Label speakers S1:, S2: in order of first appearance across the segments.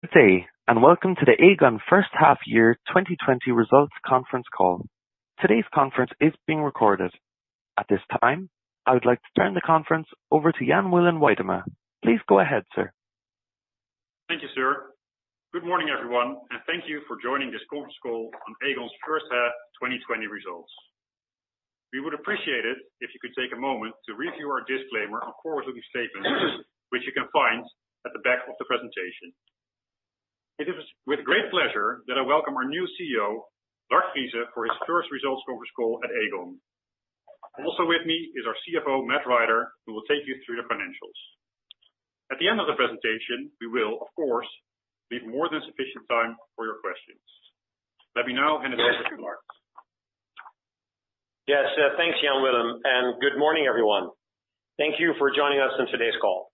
S1: Good day, and welcome to the Aegon First Half Year 2020 Results Conference Call. Today's conference is being recorded. At this time, I would like to turn the conference over to Jan Willem Weidema. Please go ahead, sir.
S2: Thank you, sir. Good morning, everyone, and thank you for joining this conference call on Aegon's first half 2020 results. We would appreciate it if you could take a moment to review our disclaimer on forward-looking statements, which you can find at the back of the presentation. It is with great pleasure that I welcome our new CEO, Lard Friese, for his first results conference call at Aegon. Also with me is our CFO, Matt Rider, who will take you through the financials. At the end of the presentation, we will, of course, leave more than sufficient time for your questions. Let me now hand it over to you, Lard.
S3: Yes, thanks, Jan Willem, and good morning, everyone. Thank you for joining us on today's call.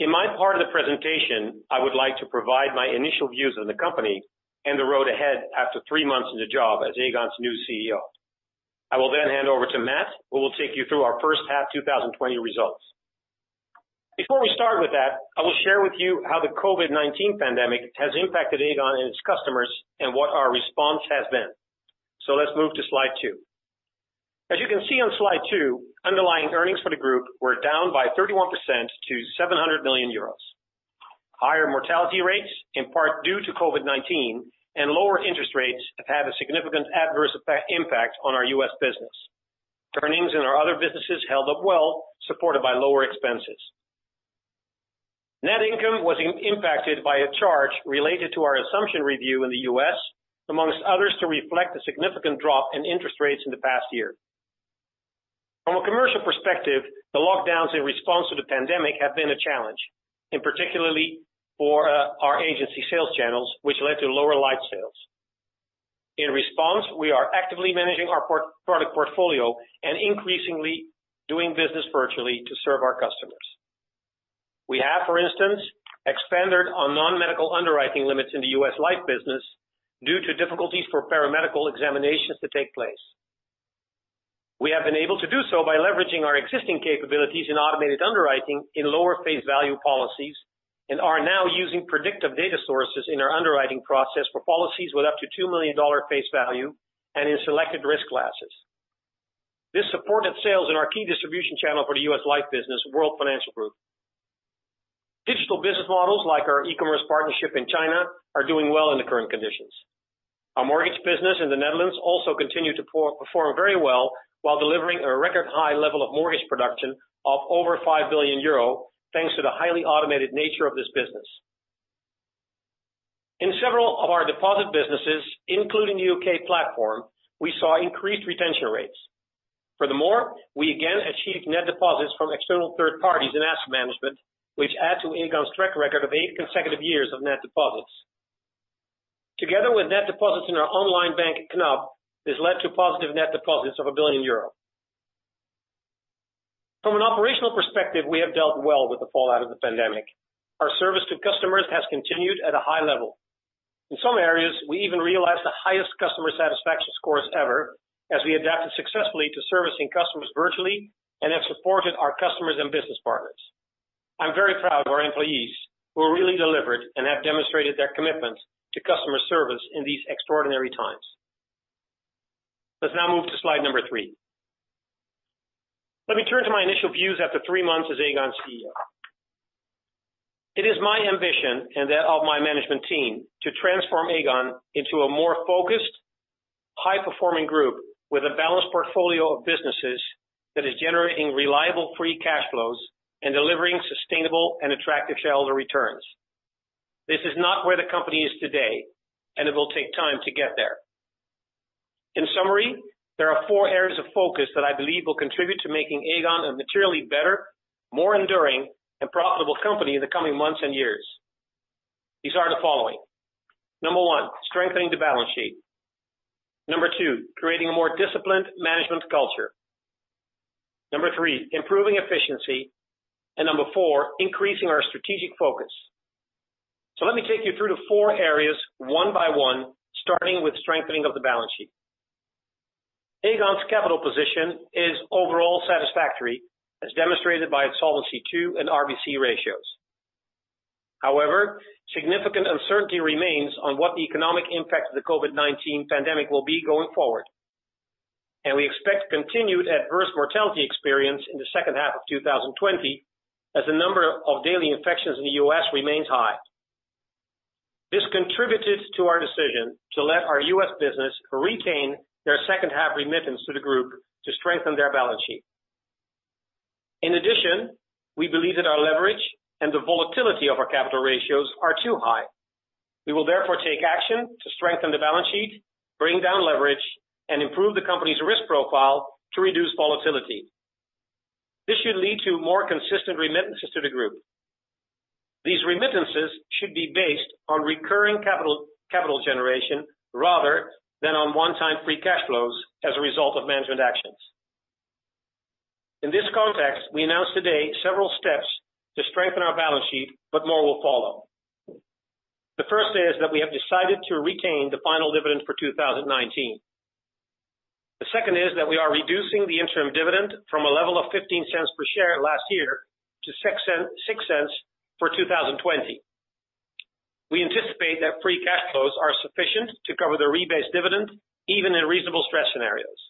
S3: In my part of the presentation, I would like to provide my initial views on the company and the road ahead after three months in the job as Aegon's new CEO. I will then hand over to Matt, who will take you through our first half 2020 results. Before we start with that, I will share with you how the COVID-19 pandemic has impacted Aegon and its customers and what our response has been. So let's move to slide two. As you can see on slide two, underlying earnings for the group were down by 31% to 700 million euros. Higher mortality rates, in part due to COVID-19, and lower interest rates have had a significant adverse impact on our U.S. business. Earnings in our other businesses held up well, supported by lower expenses. Net income was impacted by a charge related to our assumption review in the US, among others, to reflect the significant drop in interest rates in the past year. From a commercial perspective, the lockdowns in response to the pandemic have been a challenge, and particularly for our agency sales channels, which led to lower life sales. In response, we are actively managing our product portfolio and increasingly doing business virtually to serve our customers. We have, for instance, expanded on non-medical underwriting limits in the US life business due to difficulties for paramedical examinations to take place. We have been able to do so by leveraging our existing capabilities in automated underwriting in lower face value policies, and are now using predictive data sources in our underwriting process for policies with up to $2 million face value and in selected risk classes. This supported sales in our key distribution channel for the U.S. life business, World Financial Group. Digital business models, like our e-commerce partnership in China, are doing well in the current conditions. Our mortgage business in the Netherlands also continued to perform very well, while delivering a record high level of mortgage production of over 5 billion euro, thanks to the highly automated nature of this business. In several of our deposit businesses, including the U.K. platform, we saw increased retention rates. Furthermore, we again achieved net deposits from external third parties in asset management, which add to Aegon's track record of eight consecutive years of net deposits. Together with net deposits in our online bank, Knab, this led to positive net deposits of 1 billion euro. From an operational perspective, we have dealt well with the fallout of the pandemic. Our service to customers has continued at a high level. In some areas, we even realized the highest customer satisfaction scores ever, as we adapted successfully to servicing customers virtually and have supported our customers and business partners. I'm very proud of our employees, who really delivered and have demonstrated their commitment to customer service in these extraordinary times. Let's now move to slide number three. Let me turn to my initial views after three months as Aegon CEO. It is my ambition, and that of my management team, to transform Aegon into a more focused, high-performing group with a balanced portfolio of businesses that is generating reliable free cash flows and delivering sustainable and attractive shareholder returns. This is not where the company is today, and it will take time to get there. In summary, there are four areas of focus that I believe will contribute to making Aegon a materially better, more enduring, and profitable company in the coming months and years. These are the following: number one, strengthening the balance sheet. Number two, creating a more disciplined management culture. Number three, improving efficiency. And number four, increasing our strategic focus, so let me take you through the four areas one by one, starting with strengthening of the balance sheet. Aegon's capital position is overall satisfactory, as demonstrated by its Solvency II and RBC ratios. However, significant uncertainty remains on what the economic impact of the COVID-19 pandemic will be going forward, and we expect continued adverse mortality experience in the second half of 2020, as the number of daily infections in the U.S. remains high. This contributed to our decision to let our U.S. business retain their second half remittance to the group to strengthen their balance sheet. In addition, we believe that our leverage and the volatility of our capital ratios are too high. We will therefore take action to strengthen the balance sheet, bring down leverage, and improve the company's risk profile to reduce volatility. This should lead to more consistent remittances to the group. These remittances should be based on recurring capital, capital generation, rather than on one-time free cash flows as a result of management actions. In this context, we announced today several steps to strengthen our balance sheet, but more will follow. The first is that we have decided to retain the final dividend for two thousand and nineteen. The second is that we are reducing the interim dividend from a level of 0.15 per share last year to 0.06 for 2020. We anticipate that free cash flows are sufficient to cover the rebased dividend, even in reasonable stress scenarios.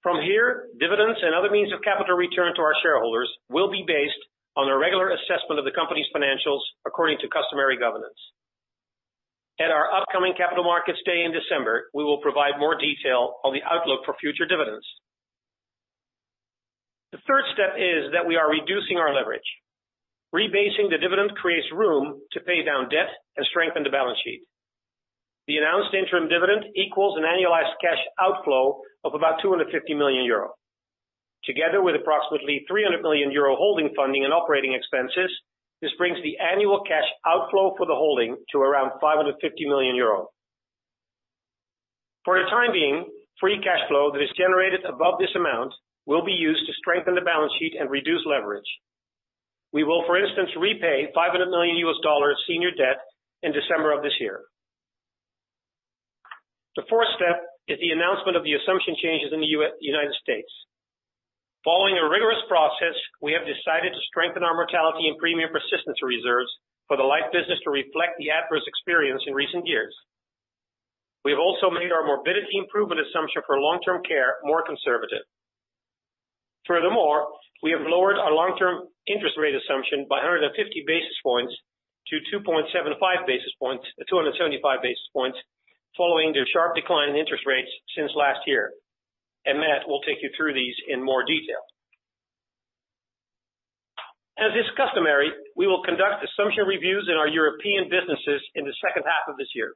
S3: From here, dividends and other means of capital return to our shareholders will be based on a regular assessment of the company's financials according to customary governance. At our upcoming Capital Markets Day in December, we will provide more detail on the outlook for future dividends. The third step is that we are reducing our leverage. Rebasing the dividend creates room to pay down debt and strengthen the balance sheet. The announced interim dividend equals an annualized cash outflow of about 250 million euro. Together with approximately 300 million euro holding funding and operating expenses, this brings the annual cash outflow for the holding to around 550 million euros. For the time being, free cash flow that is generated above this amount will be used to strengthen the balance sheet and reduce leverage. We will, for instance, repay $500 million senior debt in December of this year. The fourth step is the announcement of the assumption changes in the United States. Following a rigorous process, we have decided to strengthen our mortality and premium persistency reserves for the life business to reflect the adverse experience in recent years. We have also made our morbidity improvement assumption for long-term care more conservative. Furthermore, we have lowered our long-term interest rate assumption by 150 basis points to 275 basis points, following the sharp decline in interest rates since last year, and Matt will take you through these in more detail. As is customary, we will conduct assumption reviews in our European businesses in the second half of this year.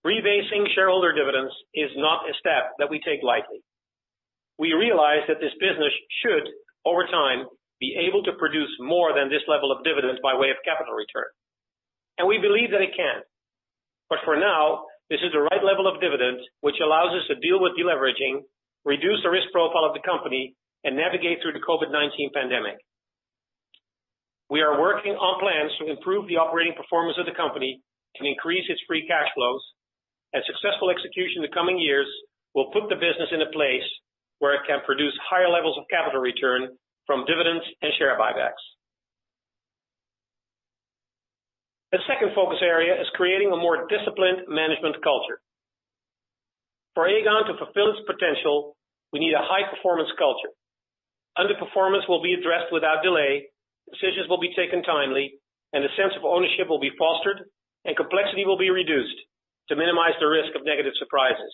S3: Rebasing shareholder dividends is not a step that we take lightly. We realize that this business should, over time, be able to produce more than this level of dividends by way of capital return, and we believe that it can. But for now, this is the right level of dividends, which allows us to deal with deleveraging, reduce the risk profile of the company, and navigate through the COVID-19 pandemic. We are working on plans to improve the operating performance of the company and increase its free cash flows, and successful execution in the coming years will put the business in a place where it can produce higher levels of capital return from dividends and share buybacks. The second focus area is creating a more disciplined management culture. For Aegon to fulfill its potential, we need a high-performance culture. Underperformance will be addressed without delay, decisions will be taken timely, and a sense of ownership will be fostered, and complexity will be reduced to minimize the risk of negative surprises.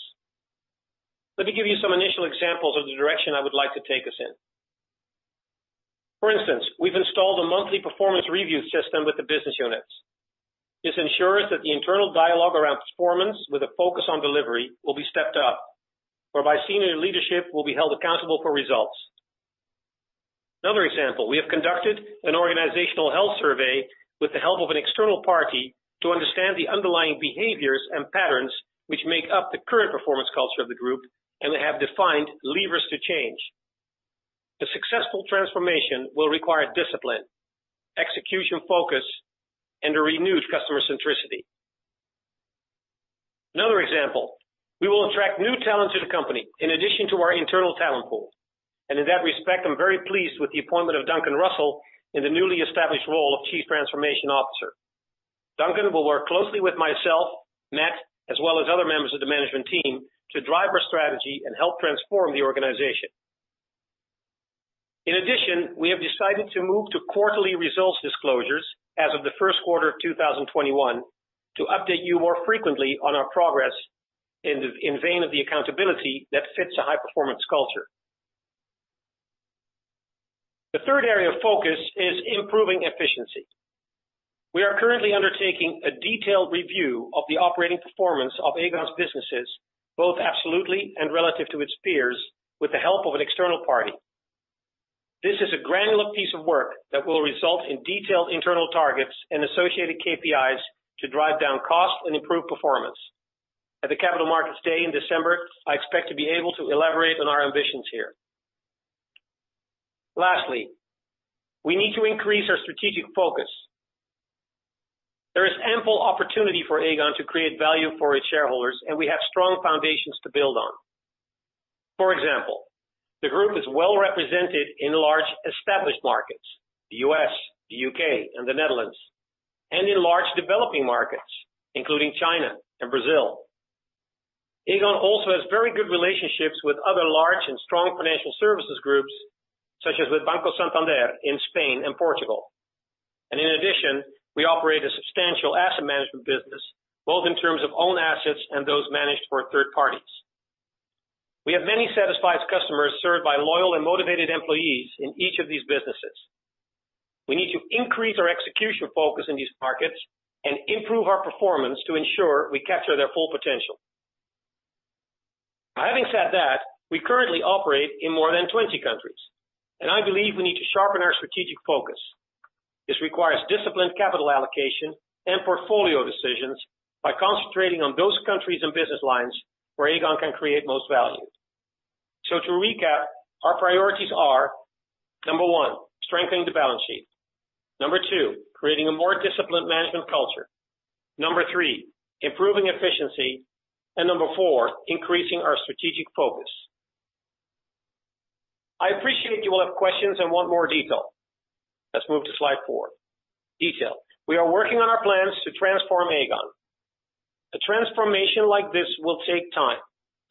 S3: Let me give you some initial examples of the direction I would like to take us in. For instance, we've installed a monthly performance review system with the business units. This ensures that the internal dialogue around performance, with a focus on delivery, will be stepped up, whereby senior leadership will be held accountable for results. Another example, we have conducted an organizational health survey with the help of an external party to understand the underlying behaviors and patterns which make up the current performance culture of the group, and we have defined levers to change. The successful transformation will require discipline, execution focus, and a renewed customer centricity. Another example, we will attract new talent to the company in addition to our internal talent pool, and in that respect, I'm very pleased with the appointment of Duncan Russell in the newly established role of Chief Transformation Officer. Duncan will work closely with myself, Matt, as well as other members of the management team, to drive our strategy and help transform the organization. In addition, we have decided to move to quarterly results disclosures as of the first quarter of 2021, to update you more frequently on our progress in the vein of the accountability that fits a high-performance culture. The third area of focus is improving efficiency. We are currently undertaking a detailed review of the operating performance of Aegon's businesses, both absolutely and relative to its peers, with the help of an external party. This is a granular piece of work that will result in detailed internal targets and associated KPIs to drive down costs and improve performance. At the Capital Markets Day in December, I expect to be able to elaborate on our ambitions here. Lastly, we need to increase our strategic focus. There is ample opportunity for Aegon to create value for its shareholders, and we have strong foundations to build on. For example, the group is well represented in large established markets, the U.S., the U.K., and the Netherlands, and in large developing markets, including China and Brazil. Aegon also has very good relationships with other large and strong financial services groups, such as with Banco Santander in Spain and Portugal. And in addition, we operate a substantial asset management business, both in terms of own assets and those managed for third parties. We have many satisfied customers served by loyal and motivated employees in each of these businesses. We need to increase our execution focus in these markets and improve our performance to ensure we capture their full potential. Having said that, we currently operate in more than 20 countries, and I believe we need to sharpen our strategic focus. This requires disciplined capital allocation and portfolio decisions by concentrating on those countries and business lines where Aegon can create most value. So to recap, our priorities are, number one, strengthening the balance sheet, number two, creating a more disciplined management culture, number three, improving efficiency, and number four, increasing our strategic focus. I appreciate you will have questions and want more detail. Let's move to slide four, detail. We are working on our plans to transform Aegon. A transformation like this will take time,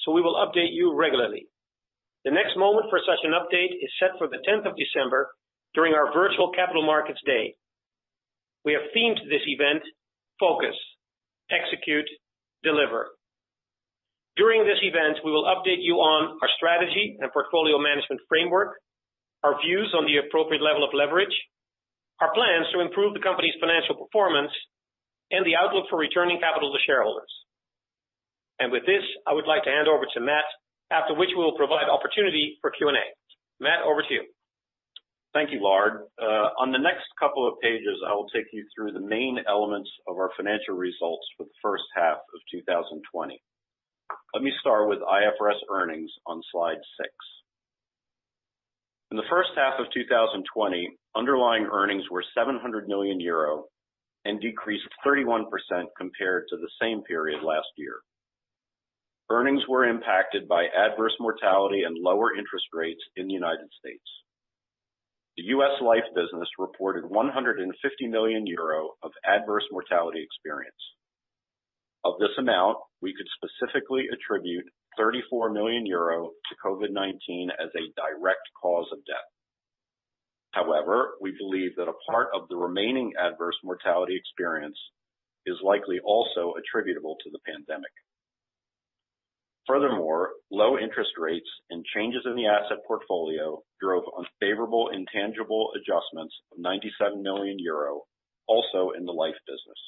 S3: so we will update you regularly. The next moment for such an update is set for the tenth of December during our Virtual Capital Markets Day. We have themed this event Focus, Execute, Deliver. During this event, we will update you on our strategy and portfolio management framework, our views on the appropriate level of leverage, our plans to improve the company's financial performance, and the outlook for returning capital to shareholders, and with this, I would like to hand over to Matt, after which we will provide opportunity for Q&A. Matt, over to you.
S4: Thank you, Lard. On the next couple of pages, I will take you through the main elements of our financial results for the first half of 2020. Let me start with IFRS earnings on slide six. In the first half of 2020, underlying earnings were 700 million euro and decreased 31% compared to the same period last year. Earnings were impacted by adverse mortality and lower interest rates in the United States. The U.S. Life business reported 150 million euro of adverse mortality experience. Of this amount, we could specifically attribute 34 million euro to COVID-19 as a direct cause of death. However, we believe that a part of the remaining adverse mortality experience is likely also attributable to the pandemic. Furthermore, low interest rates and changes in the asset portfolio drove unfavorable intangible adjustments of 97 million euro, also in the life business.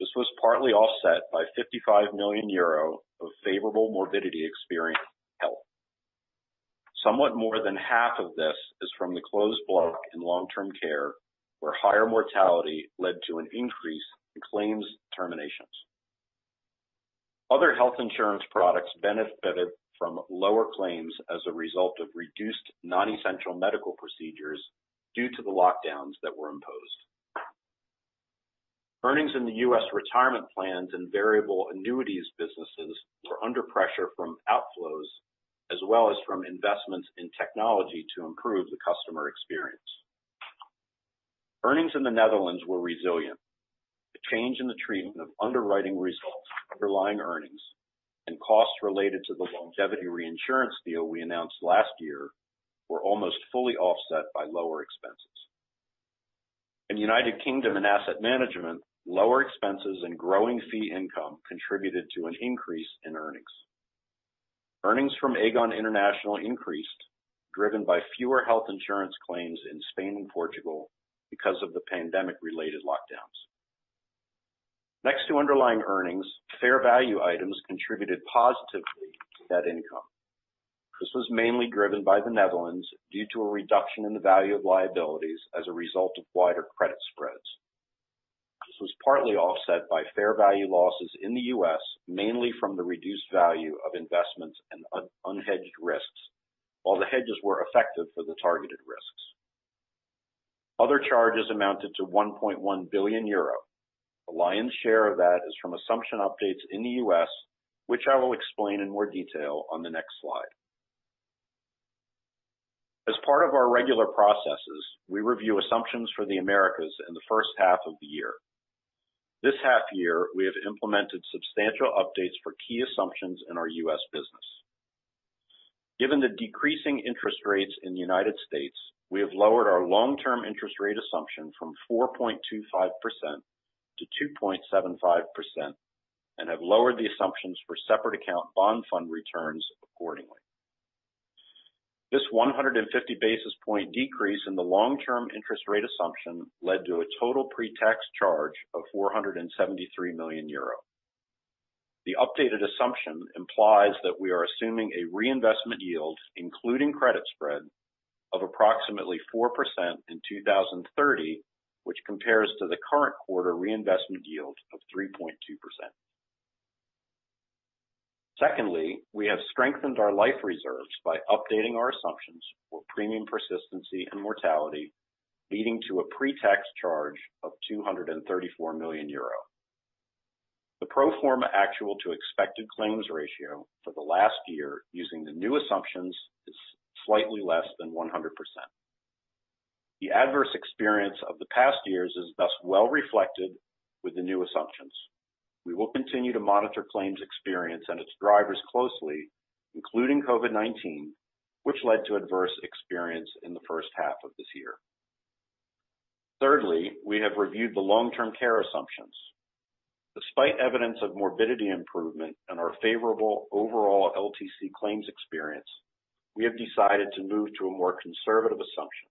S4: This was partly offset by 55 million euro of favorable morbidity experience in health. Somewhat more than half of this is from the closed block in long-term care, where higher mortality led to an increase in claims terminations. Other health insurance products benefited from lower claims as a result of reduced non-essential medical procedures due to the lockdowns that were imposed. Earnings in the U.S. retirement plans and variable annuities businesses were under pressure from outflows, as well as from investments in technology to improve the customer experience. Earnings in the Netherlands were resilient. The change in the treatment of underwriting results, underlying earnings and costs related to the longevity reinsurance deal we announced last year, were almost fully offset by lower expenses. In United Kingdom and Asset Management, lower expenses and growing fee income contributed to an increase in earnings. Earnings from Aegon International increased, driven by fewer health insurance claims in Spain and Portugal because of the pandemic-related lockdowns. Next to underlying earnings, fair value items contributed positively to net income. This was mainly driven by the Netherlands due to a reduction in the value of liabilities as a result of wider credit spreads. This was partly offset by fair value losses in the U.S., mainly from the reduced value of investments and unhedged risks, while the hedges were effective for the targeted risks. Other charges amounted to 1.1 billion euro. The lion's share of that is from assumption updates in the U.S., which I will explain in more detail on the next slide. As part of our regular processes, we review assumptions for the Americas in the first half of the year. This half year, we have implemented substantial updates for key assumptions in our US business. Given the decreasing interest rates in the United States, we have lowered our long-term interest rate assumption from 4.25% to 2.75%, and have lowered the assumptions for separate account bond fund returns accordingly. This 150 basis points decrease in the long-term interest rate assumption led to a total pre-tax charge of 473 million euro. The updated assumption implies that we are assuming a reinvestment yield, including credit spread, of approximately 4% in 2030, which compares to the current quarter reinvestment yield of 3.2%. Secondly, we have strengthened our life reserves by updating our assumptions for premium persistency and mortality, leading to a pre-tax charge of 234 million euro. The pro forma actual to expected claims ratio for the last year using the new assumptions is slightly less than 100%. The adverse experience of the past years is best well reflected with the new assumptions. We will continue to monitor claims experience and its drivers closely, including COVID-19, which led to adverse experience in the first half of this year. Thirdly, we have reviewed the long-term care assumptions. Despite evidence of morbidity improvement and our favorable overall LTC claims experience, we have decided to move to a more conservative assumption.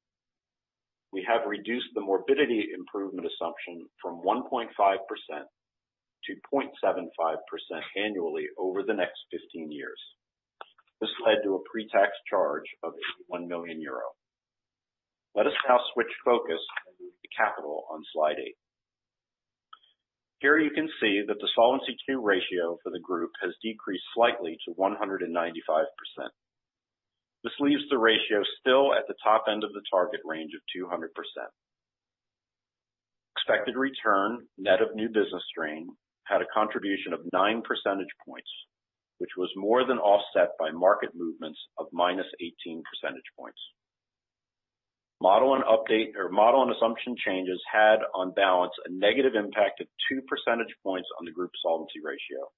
S4: We have reduced the morbidity improvement assumption from 1.5% to 0.75% annually over the next 15 years. This led to a pre-tax charge of 81 million euro. Let us now switch focus and move to capital on slide eight. Here you can see that the Solvency II ratio for the group has decreased slightly to 195%. This leaves the ratio still at the top end of the target range of 200%. Expected return, net of new business strain, had a contribution of 9% points, which was more than offset by market movements of -18% points. Model and update or model and assumption changes had, on balance, a negative impact of 2% points on the group's solvency ratio.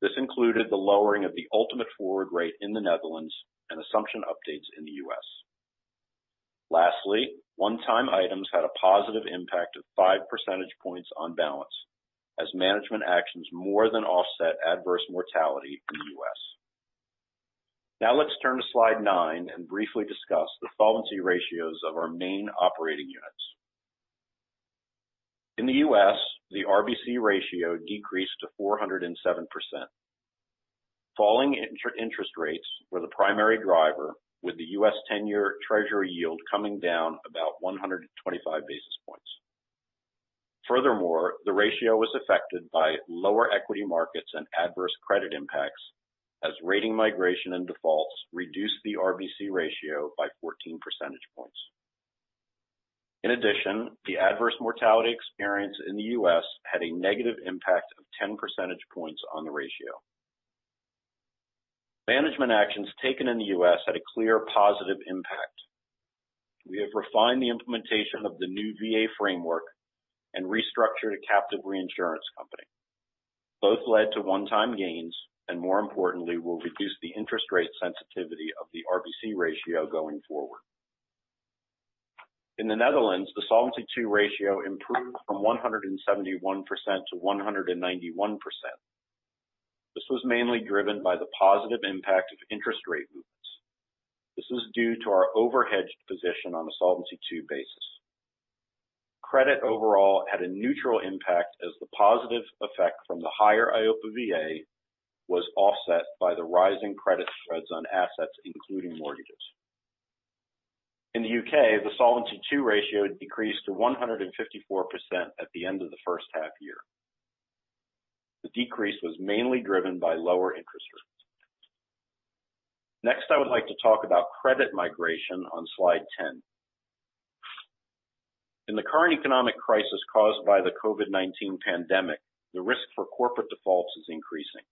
S4: This included the lowering of the ultimate forward rate in the Netherlands and assumption updates in the US. Lastly, one-time items had a positive impact of 5% points on balance, as management actions more than offset adverse mortality in the U.S. Now let's turn to slide nine and briefly discuss the solvency ratios of our main operating units. In the U.S., the RBC ratio decreased to 407%. Falling interest rates were the primary driver, with the U.S. ten-year treasury yield coming down about 125 basis points. Furthermore, the ratio was affected by lower equity markets and adverse credit impacts, as rating migration and defaults reduced the RBC ratio by 14% points. In addition, the adverse mortality experience in the U.S. had a negative impact of 10% points on the ratio. Management actions taken in the U.S. had a clear positive impact. We have refined the implementation of the new VA framework and restructured a captive reinsurance company. Both led to one-time gains and, more importantly, will reduce the interest rate sensitivity of the RBC ratio going forward. In the Netherlands, the Solvency II ratio improved from 171% to 191%. This was mainly driven by the positive impact of interest rate movements. This was due to our overhedged position on a Solvency II basis. Credit overall had a neutral impact as the positive effect from the higher EIOPA VA was offset by the rising credit spreads on assets, including mortgages. In the U.K., the Solvency II ratio decreased to 154% at the end of the first half year. The decrease was mainly driven by lower interest rates. Next, I would like to talk about credit migration on slide ten. In the current economic crisis caused by the COVID-19 pandemic, the risk for corporate defaults is increasing.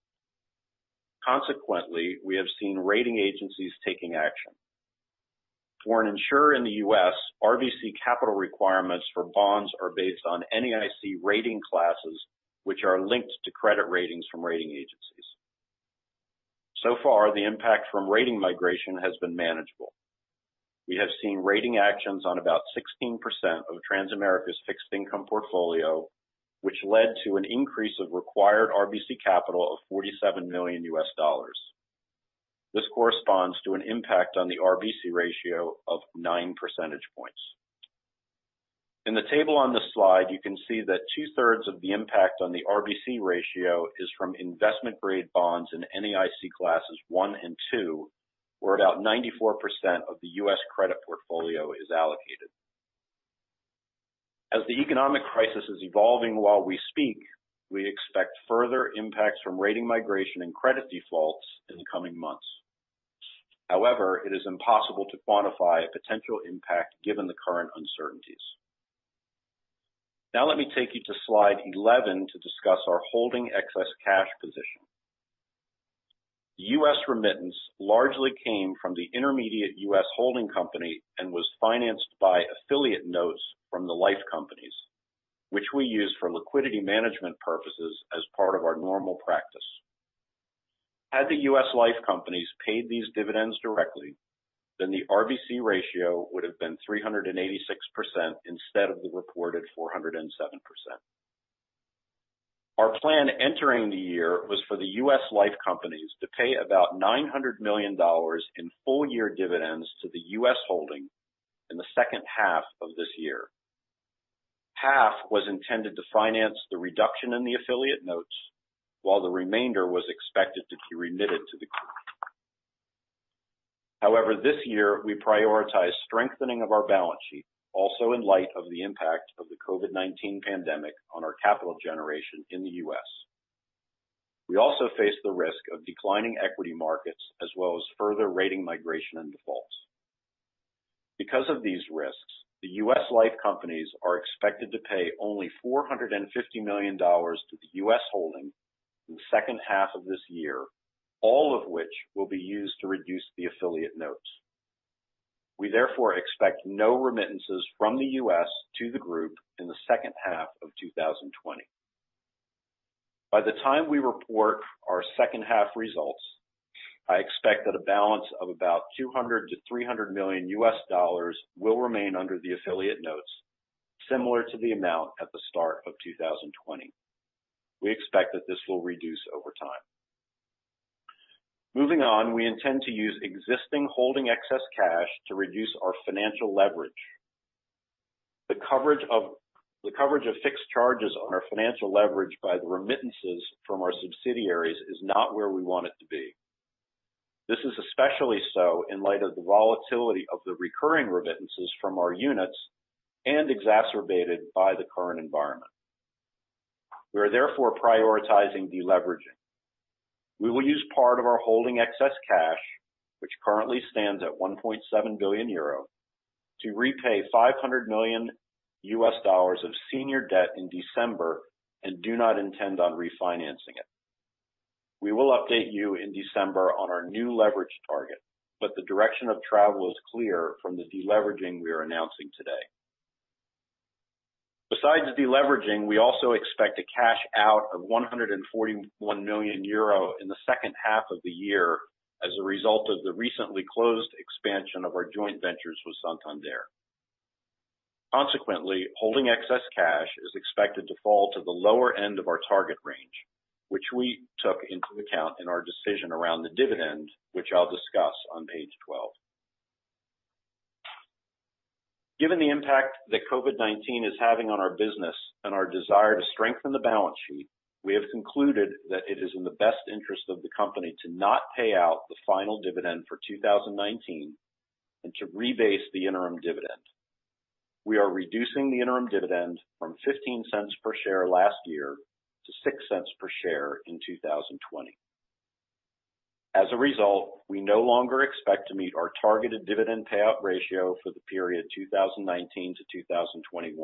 S4: Consequently, we have seen rating agencies taking action. For an insurer in the U.S., RBC capital requirements for bonds are based on NAIC rating classes, which are linked to credit ratings from rating agencies. So far, the impact from rating migration has been manageable. We have seen rating actions on about 16% of Transamerica's fixed income portfolio, which led to an increase of required RBC capital of $47 million. This corresponds to an impact on the RBC ratio of 9% points. In the table on this slide, you can see that two-thirds of the impact on the RBC ratio is from investment-grade bonds in NAIC Classes one and two, where about 94% of the U.S. credit portfolio is allocated. As the economic crisis is evolving while we speak, we expect further impacts from rating migration and credit defaults in the coming months. However, it is impossible to quantify a potential impact given the current uncertainties. Now let me take you to slide 11 to discuss our holding excess cash position. U.S. remittance largely came from the intermediate U.S. holding company and was financed by affiliate notes from the life companies, which we use for liquidity management purposes as part of our normal practice. Had the U.S. life companies paid these dividends directly, then the RBC ratio would have been 386% instead of the reported 407%. Our plan entering the year was for the U.S. life companies to pay about $900 million in full-year dividends to the U.S. holding in the second half of this year. $450 million was intended to finance the reduction in the affiliate notes, while the remainder was expected to be remitted to the group. However, this year, we prioritized strengthening of our balance sheet, also in light of the impact of the COVID-19 pandemic on our capital generation in the U.S. We also face the risk of declining equity markets, as well as further rating migration and defaults. Because of these risks, the U.S. life companies are expected to pay only $450 million to the U.S. holding in the second half of this year, all of which will be used to reduce the affiliate notes. We therefore expect no remittances from the U.S. to the group in the second half of 2020. By the time we report our second half results, I expect that a balance of about $200 million-$300 million will remain under the affiliate notes, similar to the amount at the start of 2020. We expect that this will reduce over time. Moving on, we intend to use existing holding excess cash to reduce our financial leverage. The coverage of fixed charges on our financial leverage by the remittances from our subsidiaries is not where we want it to be. This is especially so in light of the volatility of the recurring remittances from our units and exacerbated by the current environment. We are therefore prioritizing deleveraging. We will use part of our holding excess cash, which currently stands at 1.7 billion euro, to repay $500 million of senior debt in December, and do not intend on refinancing it. We will update you in December on our new leverage target, but the direction of travel is clear from the deleveraging we are announcing today. Besides deleveraging, we also expect a cash out of 141 million euro in the second half of the year as a result of the recently closed expansion of our joint ventures with Santander. Consequently, holding excess cash is expected to fall to the lower end of our target range, which we took into account in our decision around the dividend, which I'll discuss on page 12. Given the impact that COVID-19 is having on our business and our desire to strengthen the balance sheet, we have concluded that it is in the best interest of the company to not pay out the final dividend for 2019 and to rebase the interim dividend. We are reducing the interim dividend from 0.15 per share last year to 0.06 per share in 2020. As a result, we no longer expect to meet our targeted dividend payout ratio for the period 2019 to 2021.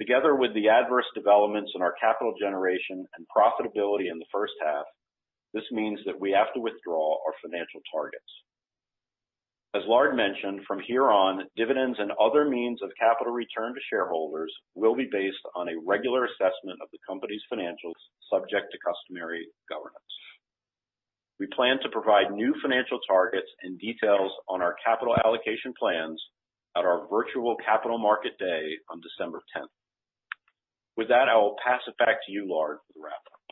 S4: Together with the adverse developments in our capital generation and profitability in the first half, this means that we have to withdraw our financial targets. As Lard mentioned, from here on, dividends and other means of capital return to shareholders will be based on a regular assessment of the company's financials, subject to customary governance. We plan to provide new financial targets and details on our capital allocation plans at our virtual Capital Markets Day on December tenth. With that, I will pass it back to you, Lard, for the wrap up.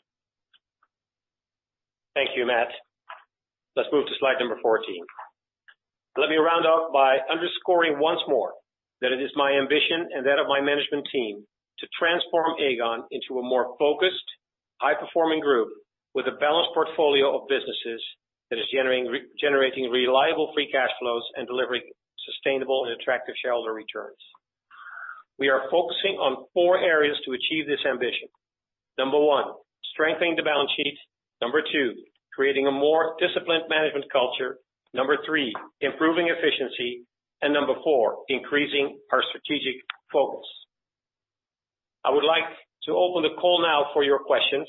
S3: Thank you, Matt. Let's move to slide number fourteen. Let me round up by underscoring once more that it is my ambition, and that of my management team, to transform Aegon into a more focused, high-performing group with a balanced portfolio of businesses that is generating reliable free cash flows and delivering sustainable and attractive shareholder returns. We are focusing on four areas to achieve this ambition: number one, strengthening the balance sheet; number two, creating a more disciplined management culture; number three, improving efficiency; and number four, increasing our strategic focus. I would like to open the call now for your questions,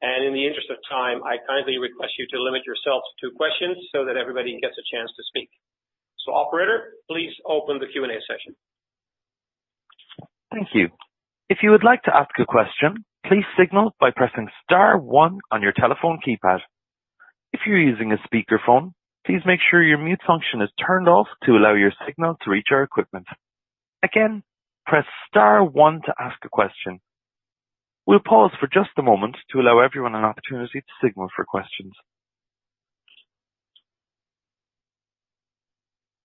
S3: and in the interest of time, I kindly request you to limit yourself to two questions so that everybody gets a chance to speak. So operator, please open the Q&A session.
S1: Thank you. If you would like to ask a question, please signal by pressing star one on your telephone keypad. If you're using a speakerphone, please make sure your mute function is turned off to allow your signal to reach our equipment. Again, press star one to ask a question. We'll pause for just a moment to allow everyone an opportunity to signal for questions,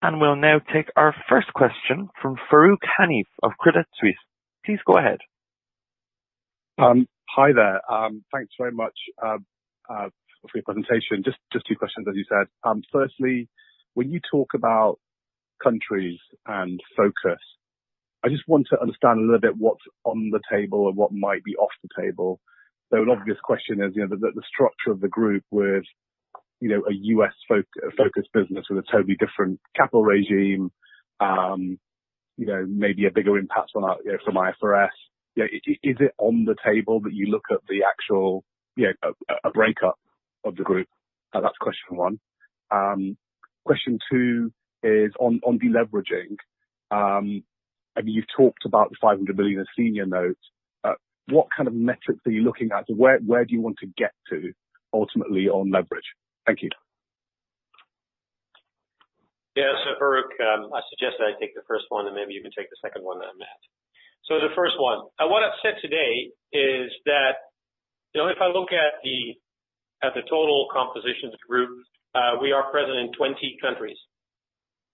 S1: and we'll now take our first question from Farooq Hanif of Credit Suisse. Please go ahead.
S5: Hi there. Thanks very much for your presentation. Just two questions, as you said. Firstly, when you talk about countries and focus, I just want to understand a little bit what's on the table and what might be off the table. So an obvious question is, you know, the structure of the group with, you know, a U.S. focused business with a totally different capital regime, you know, maybe a bigger impact on our, you know, from IFRS. You know, is it on the table that you look at the actual, you know, a breakup of the group? That's question one. Question two is on deleveraging. I mean, you've talked about the $500 million in senior notes. What kind of metrics are you looking at? Where, where do you want to get to, ultimately, on leverage? Thank you.
S3: Yeah, so Farooq, I suggest I take the first one, and maybe you can take the second one to Matt. So the first one, and what I've said today is that, you know, if I look at the total composition of the group, we are present in 20 countries.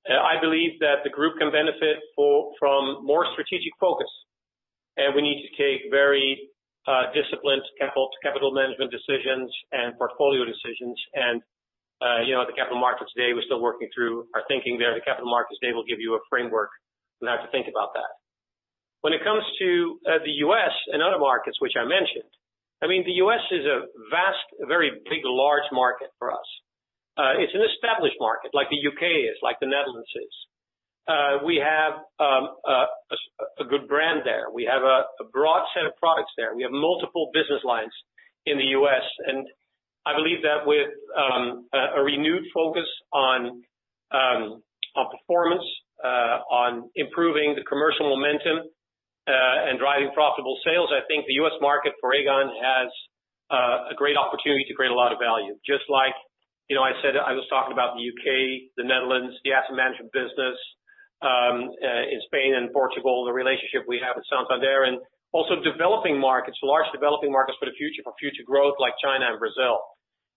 S3: I believe that the group can benefit from more strategic focus, and we need to take very disciplined capital management decisions and portfolio decisions. And, you know, at the Capital Markets Day, we're still working through our thinking there. The Capital Markets Day will give you a framework, and I have to think about that. When it comes to the U.S. and other markets, which I mentioned, I mean, the U.S. is a vast, very big, large market for us. It's an established market, like the UK is, like the Netherlands is. We have a good brand there. We have a broad set of products there. We have multiple business lines in the US, and I believe that with a renewed focus on performance, on improving the commercial momentum, and driving profitable sales, I think the US market for Aegon has a great opportunity to create a lot of value. Just like, you know, I said I was talking about the UK, the Netherlands, the asset management business, in Spain and Portugal, the relationship we have with Santander, and also developing markets, large developing markets for future growth, like China and Brazil.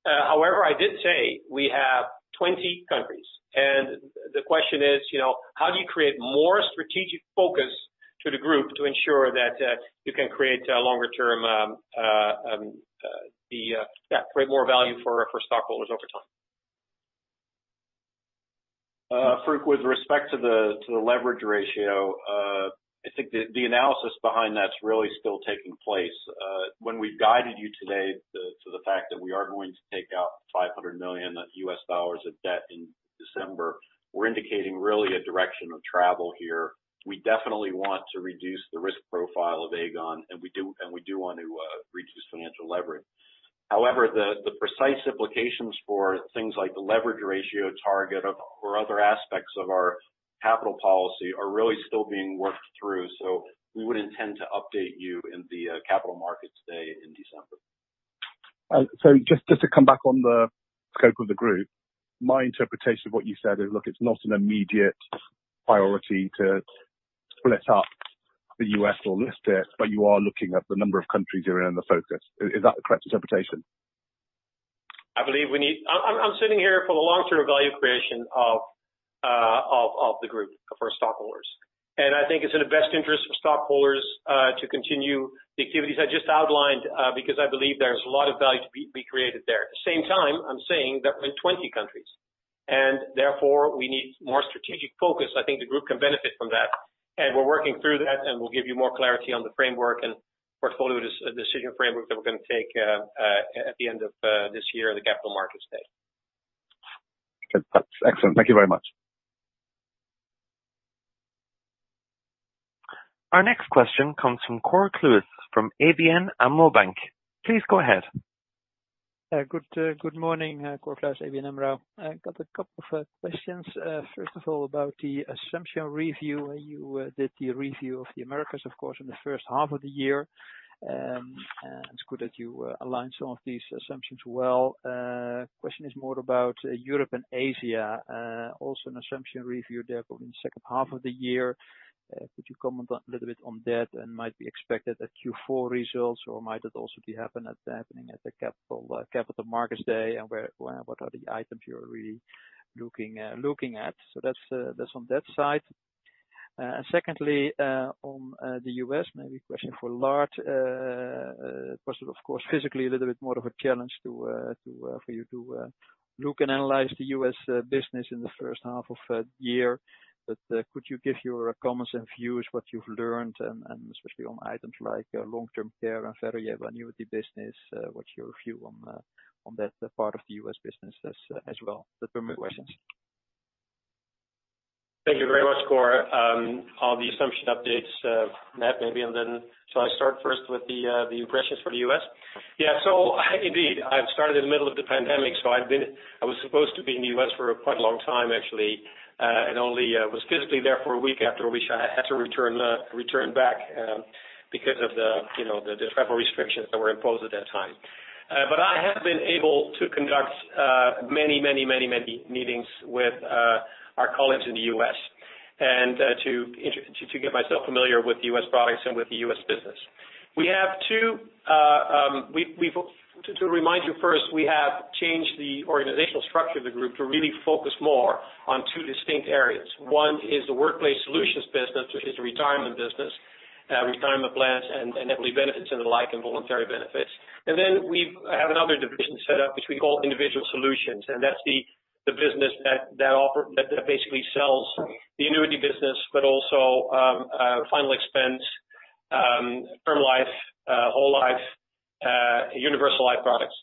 S3: However, I did say we have 20 countries, and the question is, you know, how do you create more strategic focus? To the group to ensure that you can create a longer term, create more value for stockholders over time.
S4: Farooq, with respect to the leverage ratio, I think the analysis behind that is really still taking place. When we guided you today to the fact that we are going to take out $500 million of debt in December, we are indicating really a direction of travel here. We definitely want to reduce the risk profile of Aegon, and we do want to reduce financial leverage. However, the precise implications for things like the leverage ratio target or other aspects of our capital policy are really still being worked through, so we would intend to update you in the Capital Markets Day in December.
S5: So just to come back on the scope of the group. My interpretation of what you said is, look, it's not an immediate priority to split up the US or list it, but you are looking at the number of countries you're in and the focus. Is that the correct interpretation?
S3: I believe we need. I'm sitting here for the long-term value creation of the group for stockholders. And I think it's in the best interest of stockholders to continue the activities I just outlined because I believe there's a lot of value to be created there. At the same time, I'm saying that we're in 20 countries, and therefore we need more strategic focus. I think the group can benefit from that, and we're working through that, and we'll give you more clarity on the framework and portfolio decision framework that we're gonna take at the end of this year in the Capital Markets Day.
S5: Good. That's excellent. Thank you very much.
S1: Our next question comes from Cor Kluis from ABN AMRO Bank. Please go ahead.
S6: Good morning, Cor Kluis, ABN AMRO. I got a couple of questions. First of all, about the assumption review. You did the review of the Americas, of course, in the first half of the year, and it's good that you aligned some of these assumptions well. Question is more about Europe and Asia. Also an assumption review there probably in the second half of the year. Could you comment a little bit on that, and might be expected at Q4 results, or might it also be happening at the Capital Markets Day? And where, what are the items you're really looking at, so that's on that side, and secondly, on the US, maybe a question for Lard. Possible of course, physically a little bit more of a challenge for you to look and analyze the U.S. business in the first half of the year. But could you give your comments and views, what you've learned, and especially on items like long-term care and variable annuity business? What's your view on that part of the U.S. business as well? Those are my questions.
S3: Thank you very much, Cor. On the assumption updates, Matt, maybe, and then shall I start first with the assumptions for the US? Yeah, so indeed, I've started in the middle of the pandemic, so I've been. I was supposed to be in the US for quite a long time, actually, and only was physically there for a week, after which I had to return back, because of the, you know, the travel restrictions that were imposed at that time. But I have been able to conduct many meetings with our colleagues in the US, and to get myself familiar with the US products and with the US business. To remind you first, we have changed the organizational structure of the group to really focus more on two distinct areas. One is the Workplace Solutions business, which is the retirement business, retirement plans and employee benefits and the like, and voluntary benefits, and then I have another division set up, which we call Individual Solutions, and that's the business that offer that basically sells the annuity business, but also final expense, term life, whole life, universal life products.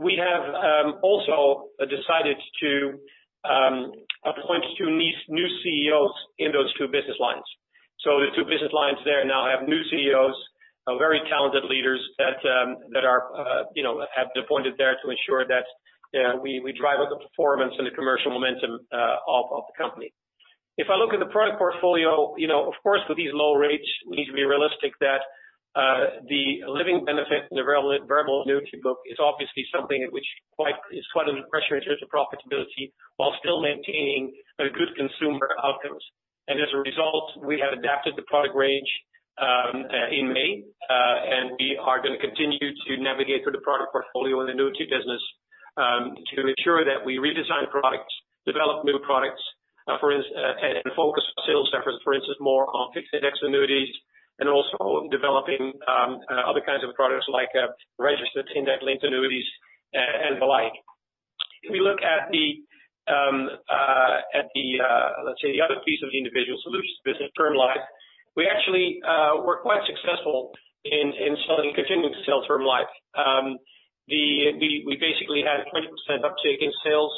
S3: We have also decided to appoint two new CEOs in those two business lines. So the two business lines there now have new CEOs, very talented leaders that, that are, you know, have appointed there to ensure that, we drive up the performance and the commercial momentum, of the company. If I look at the product portfolio, you know, of course, with these low rates, we need to be realistic that, the living benefit and the variable annuity book is obviously something which is quite under pressure in terms of profitability, while still maintaining, good consumer outcomes. And as a result, we have adapted the product range in May, and we are gonna continue to navigate through the product portfolio and annuity business to ensure that we redesign products, develop new products, and focus sales efforts, for instance, more on fixed index annuities and also developing other kinds of products like registered index-linked annuities and the like. If we look at the, let's say, the other piece of the Individual Solutions business, term life, we actually, we're quite successful in selling, continuing to sell term life. We basically had a 20% uptake in sales,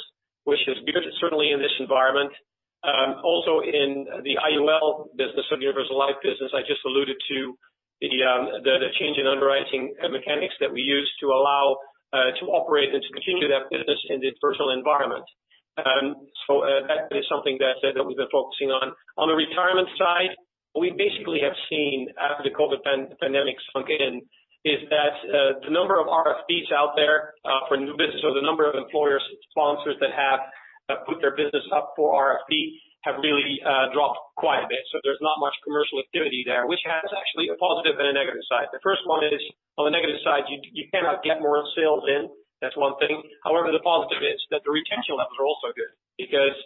S3: which is good, certainly in this environment. Also in the IUL business or universal life business, I just alluded to the change in underwriting mechanics that we use to allow to operate and to continue that business in the virtual environment. So that is something that we've been focusing on. On the retirement side, we basically have seen after the COVID pandemic sunk in, is that the number of RFPs out there for new business, or the number of employers, sponsors that have put their business up for RFP, have really dropped quite a bit. So there's not much commercial activity there, which has actually a positive and a negative side. The first one is, on the negative side, you cannot get more sales in, that's one thing. However, the positive is that the retention levels are also good, because-...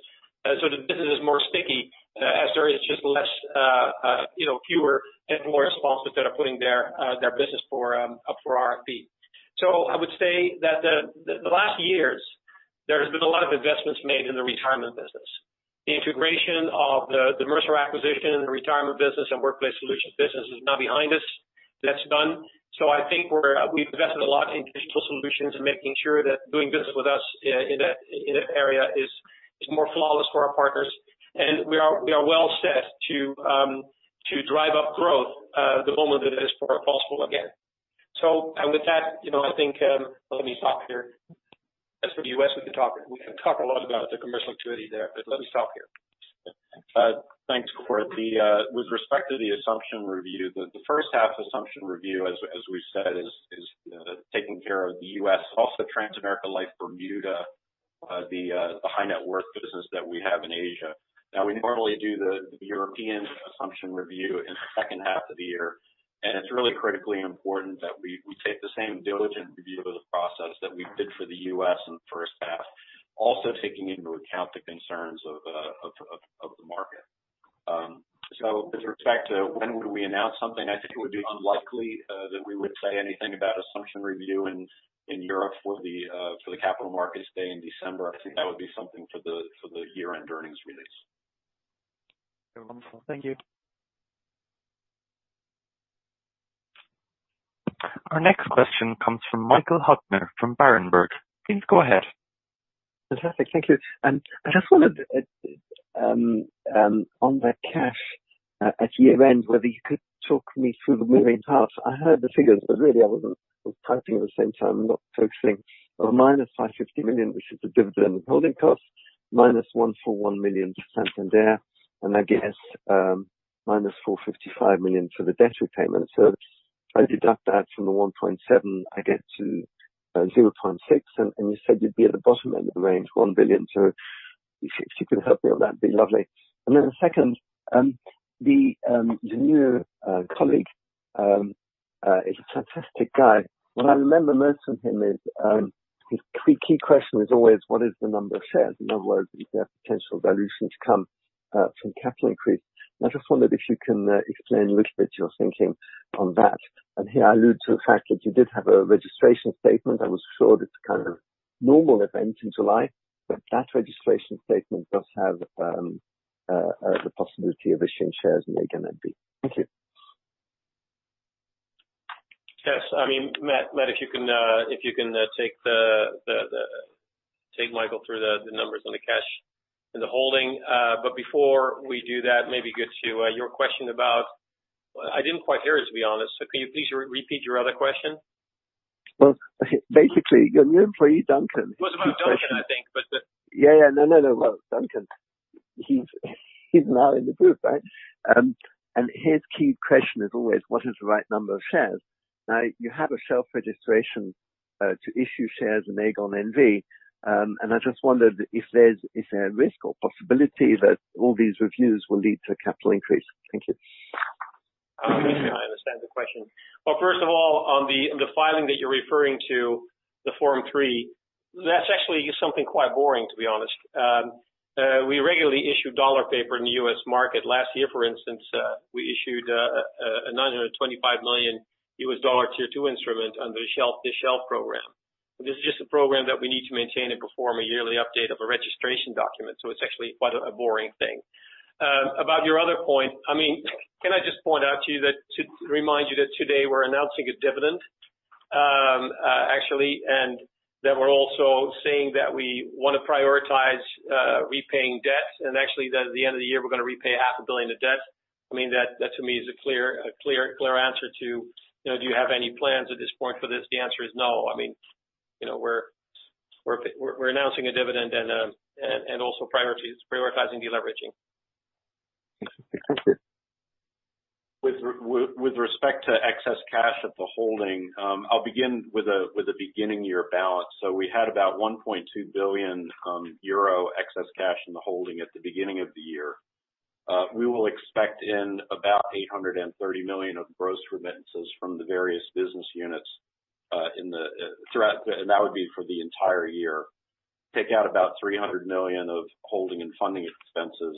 S3: So the business is more sticky, as there is just less, you know, fewer and more sponsors that are putting their business up for RFP. So I would say that the last years, there's been a lot of investments made in the retirement business. The integration of the Mercer acquisition, the retirement business and Workplace Solutions business is now behind us. That's done. So I think we've invested a lot in digital solutions and making sure that doing business with us in that area is more flawless for our partners. And we are well set to drive up growth the moment that it is possible again. So and with that, you know, I think, let me stop here. As for the U.S., we can talk, we can talk a lot about the commercial activity there, but let me stop here.
S4: Thanks, Kluis. With respect to the assumption review, the first half assumption review, as we said, is taking care of the US, also Transamerica Life Bermuda, the high net worth business that we have in Asia. Now, we normally do the European assumption review in the second half of the year, and it's really critically important that we take the same diligent review of the process that we did for the US in the first half. Also, taking into account the concerns of the market. So with respect to when would we announce something, I think it would be unlikely that we would say anything about assumption review in Europe for the Capital Markets Day in December. I think that would be something for the year-end earnings release.
S6: Thank you.
S1: Our next question comes from Michael Huttner from Berenberg. Please go ahead.
S7: Fantastic. Thank you. I just wondered on the cash at year-end, whether you could talk me through the moving parts. I heard the figures, but really I wasn't typing at the same time, not focusing. On minus 550 million, which is the dividend holding cost, minus 141 million Santander, and I guess, minus 455 million for the debt repayment. So I deduct that from the 1.7 billion, I get to, zero point six, and, and you said you'd be at the bottom end of the range, 1 billion. So if, if you could help me on that, it'd be lovely. And then the second, the, your new, colleague, is a fantastic guy. What I remember most from him is his key, key question is always: what is the number of shares? In other words, is there potential dilutions come from capital increase. I just wondered if you can explain a little bit your thinking on that, and here, I allude to the fact that you did have a registration statement. I was sure that's kind of normal event in July, but that registration statement does have the possibility of issuing shares, and they're gonna be. Thank you.
S3: Yes. I mean, Matt, if you can take Michael through the numbers on the cash and the holding. But before we do that, maybe get to your question about... I didn't quite hear it, to be honest. So can you please repeat your other question?
S7: Basically, your new employee, Duncan.
S3: It was about Duncan, I think, but,
S7: Yeah, yeah. No, no, no. Well, Duncan, he's now in the group, right? And his key question is always: what is the right number of shares? Now, you have a shelf registration to issue shares in Aegon NV, and I just wondered, is there a risk or possibility that all these reviews will lead to a capital increase? Thank you.
S3: I think I understand the question. First of all, on the filing that you're referring to, the Form F-3, that's actually something quite boring, to be honest. We regularly issue dollar paper in the U.S. market. Last year, for instance, we issued a $925 million Tier two instrument under the shelf program. This is just a program that we need to maintain and perform a yearly update of a registration document, so it's actually quite a boring thing. About your other point, I mean, can I just point out to you that, to remind you that today we're announcing a dividend, actually, and that we're also saying that we want to prioritize repaying debt, and actually, that at the end of the year, we're going to repay $500 million of debt. I mean, that to me is a clear answer to, you know, do you have any plans at this point for this? The answer is no. I mean, you know, we're announcing a dividend and also prioritizing de-leveraging.
S7: Thank you.
S4: With respect to excess cash at the holding, I'll begin with the beginning year balance. So we had about 1.2 billion euro excess cash in the holding at the beginning of the year. We will expect about 830 million EUR of gross remittances from the various business units in the throughout the year. That would be for the entire year. Take out about 300 million EUR of holding and funding expenses.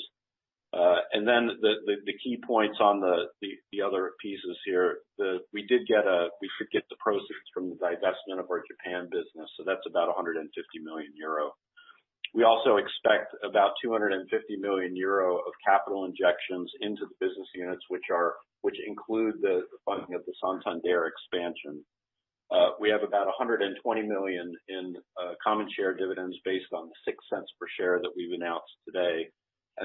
S4: And then the key points on the other pieces here, we should get the proceeds from the divestment of our Japan business, so that's about 150 million euro. We also expect about 250 million euro of capital injections into the business units, which include the funding of the Santander expansion. We have about 120 million in common share dividends based on the €0.06 per share that we've announced today.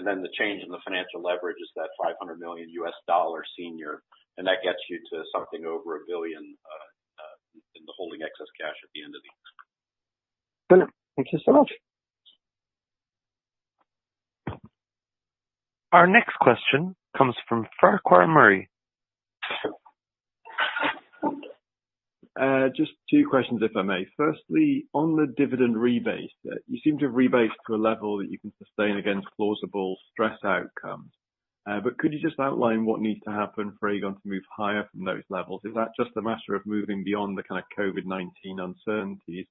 S4: Then the change in the financial leverage is that $500 million US dollar senior, and that gets you to something over €1 billion in the holding excess cash at the end of the year.
S7: Brilliant. Thank you so much.
S1: Our next question comes from Farquhar Murray.
S8: Just two questions, if I may. Firstly, on the dividend rebase, you seem to have rebased to a level that you can sustain against plausible stress outcomes. But could you just outline what needs to happen for Aegon to move higher from those levels? Is that just a matter of moving beyond the kind of COVID-19 uncertainties,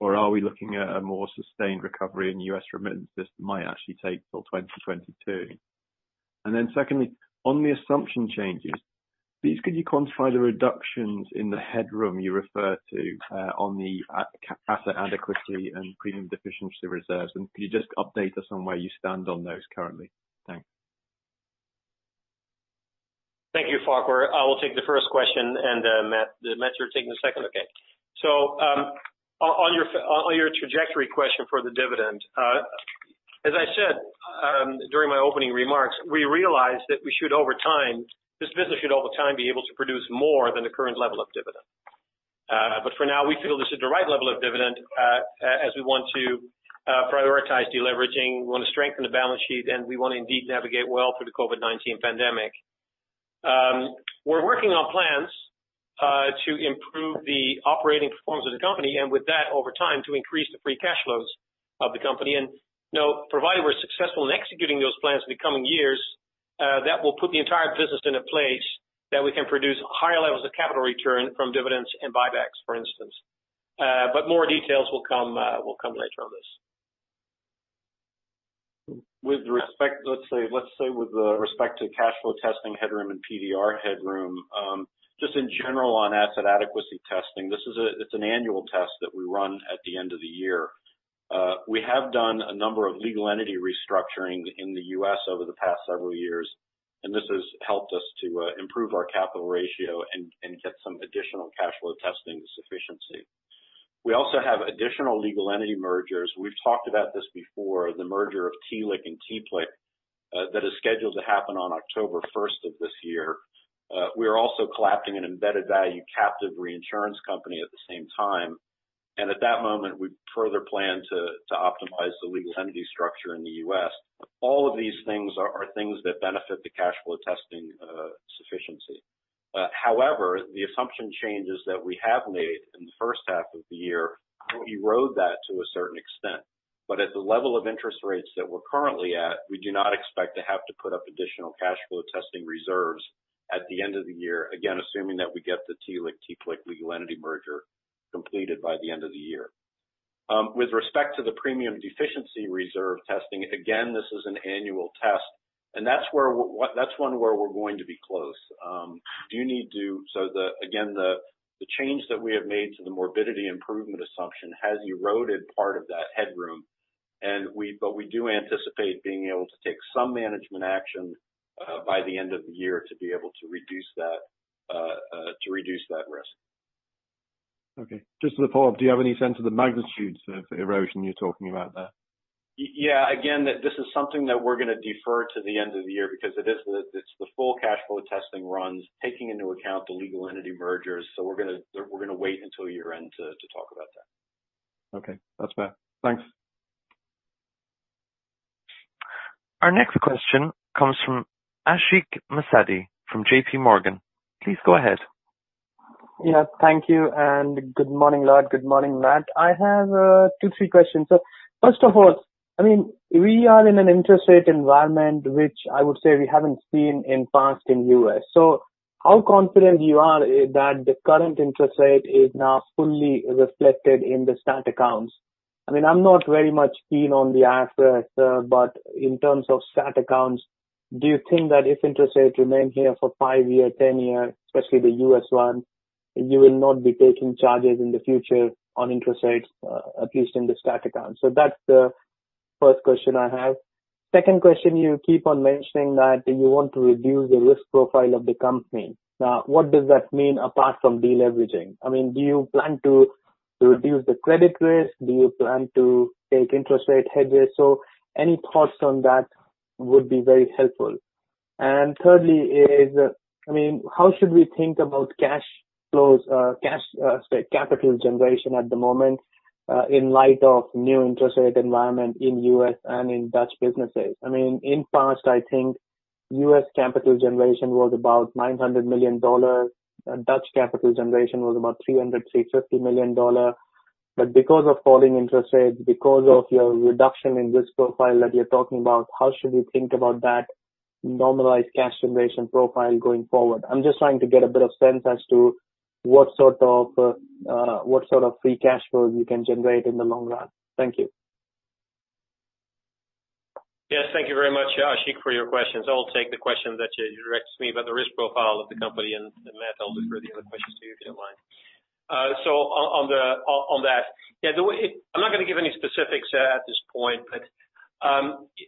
S8: or are we looking at a more sustained recovery in US remittance that might actually take till 2022? And then secondly, on the assumption changes, please could you quantify the reductions in the headroom you refer to, on the asset adequacy and premium deficiency reserves? And could you just update us on where you stand on those currently? Thanks.
S3: Thank you, Farquhar. I will take the first question, and, Matt, you're taking the second? Okay. So, on your trajectory question for the dividend, as I said, during my opening remarks, we realized that we should, over time... This business should, over time, be able to produce more than the current level of dividend. But for now, we feel this is the right level of dividend, as we want to prioritize deleveraging, we want to strengthen the balance sheet, and we want to indeed navigate well through the COVID-19 pandemic. We're working on plans, to improve the operating performance of the company, and with that, over time, to increase the free cash flows of the company. You know, provided we're successful in executing those plans in the coming years, that will put the entire business in a place that we can produce higher levels of capital return from dividends and buybacks, for instance, but more details will come later on this.
S4: With respect to cash flow testing headroom and PDR headroom, just in general on asset adequacy testing, this is an annual test that we run at the end of the year. We have done a number of legal entity restructuring in the US over the past several years, and this has helped us to improve our capital ratio and get some additional cash flow testing sufficiency. We also have additional legal entity mergers. We've talked about this before, the merger of TLIC and TPLIC, that is scheduled to happen on October first of this year. We are also collapsing an embedded value captive reinsurance company at the same time, and at that moment, we further plan to optimize the legal entity structure in the US. All of these things are things that benefit the cash flow testing sufficiency. However, the assumption changes that we have made in the first half of the year erode that to a certain extent, but at the level of interest rates that we're currently at, we do not expect to have to put up additional cash flow testing reserves at the end of the year, again, assuming that we get the TLIC, TPLIC legal entity merger completed by the end of the year. With respect to the premium deficiency reserve testing, again, this is an annual test, and that's one where we're going to be close. Do you need to...Again, the change that we have made to the morbidity improvement assumption has eroded part of that headroom, but we do anticipate being able to take some management action by the end of the year to be able to reduce that risk.
S8: Okay. Just to follow up, do you have any sense of the magnitude of the erosion you're talking about there?
S4: Yeah. Again, that this is something that we're gonna defer to the end of the year because it's the full cash flow testing runs, taking into account the legal entity mergers. So we're gonna wait until year-end to talk about that.
S8: Okay, that's fair. Thanks.
S1: Our next question comes from Ashik Musaddi, from J.P. Morgan. Please go ahead.
S9: Yeah, thank you, and good morning, Lard, good morning, Matt. I have two, three questions. So first of all, I mean, we are in an interest rate environment, which I would say we haven't seen in past in U.S. So how confident you are that the current interest rate is now fully reflected in the stat accounts? I mean, I'm not very much keen on the asset, but in terms of stat accounts, do you think that if interest rates remain here for five years, 10 years, especially the U.S. one, you will not be taking charges in the future on interest rates, at least in the stat accounts? So that's the first question I have. Second question, you keep on mentioning that you want to reduce the risk profile of the company. Now, what does that mean, apart from deleveraging? I mean, do you plan to reduce the credit risk? Do you plan to take interest rate hedges? So any thoughts on that would be very helpful. And thirdly is, I mean, how should we think about cash flows, sorry, capital generation at the moment, in light of new interest rate environment in U.S. and in Dutch businesses? I mean, in past, I think U.S. capital generation was about $900 million, and Dutch capital generation was about $300 million-$350 million. But because of falling interest rates, because of your reduction in risk profile that you're talking about, how should we think about that normalized cash generation profile going forward? I'm just trying to get a bit of sense as to what sort of free cash flow you can generate in the long run. Thank you.
S3: Yes. Thank you very much, Ashik, for your questions. I'll take the question that you directed to me about the risk profile of the company, and Matt, I'll defer the other questions to you, if you don't mind. So on that, I'm not gonna give any specifics at this point, but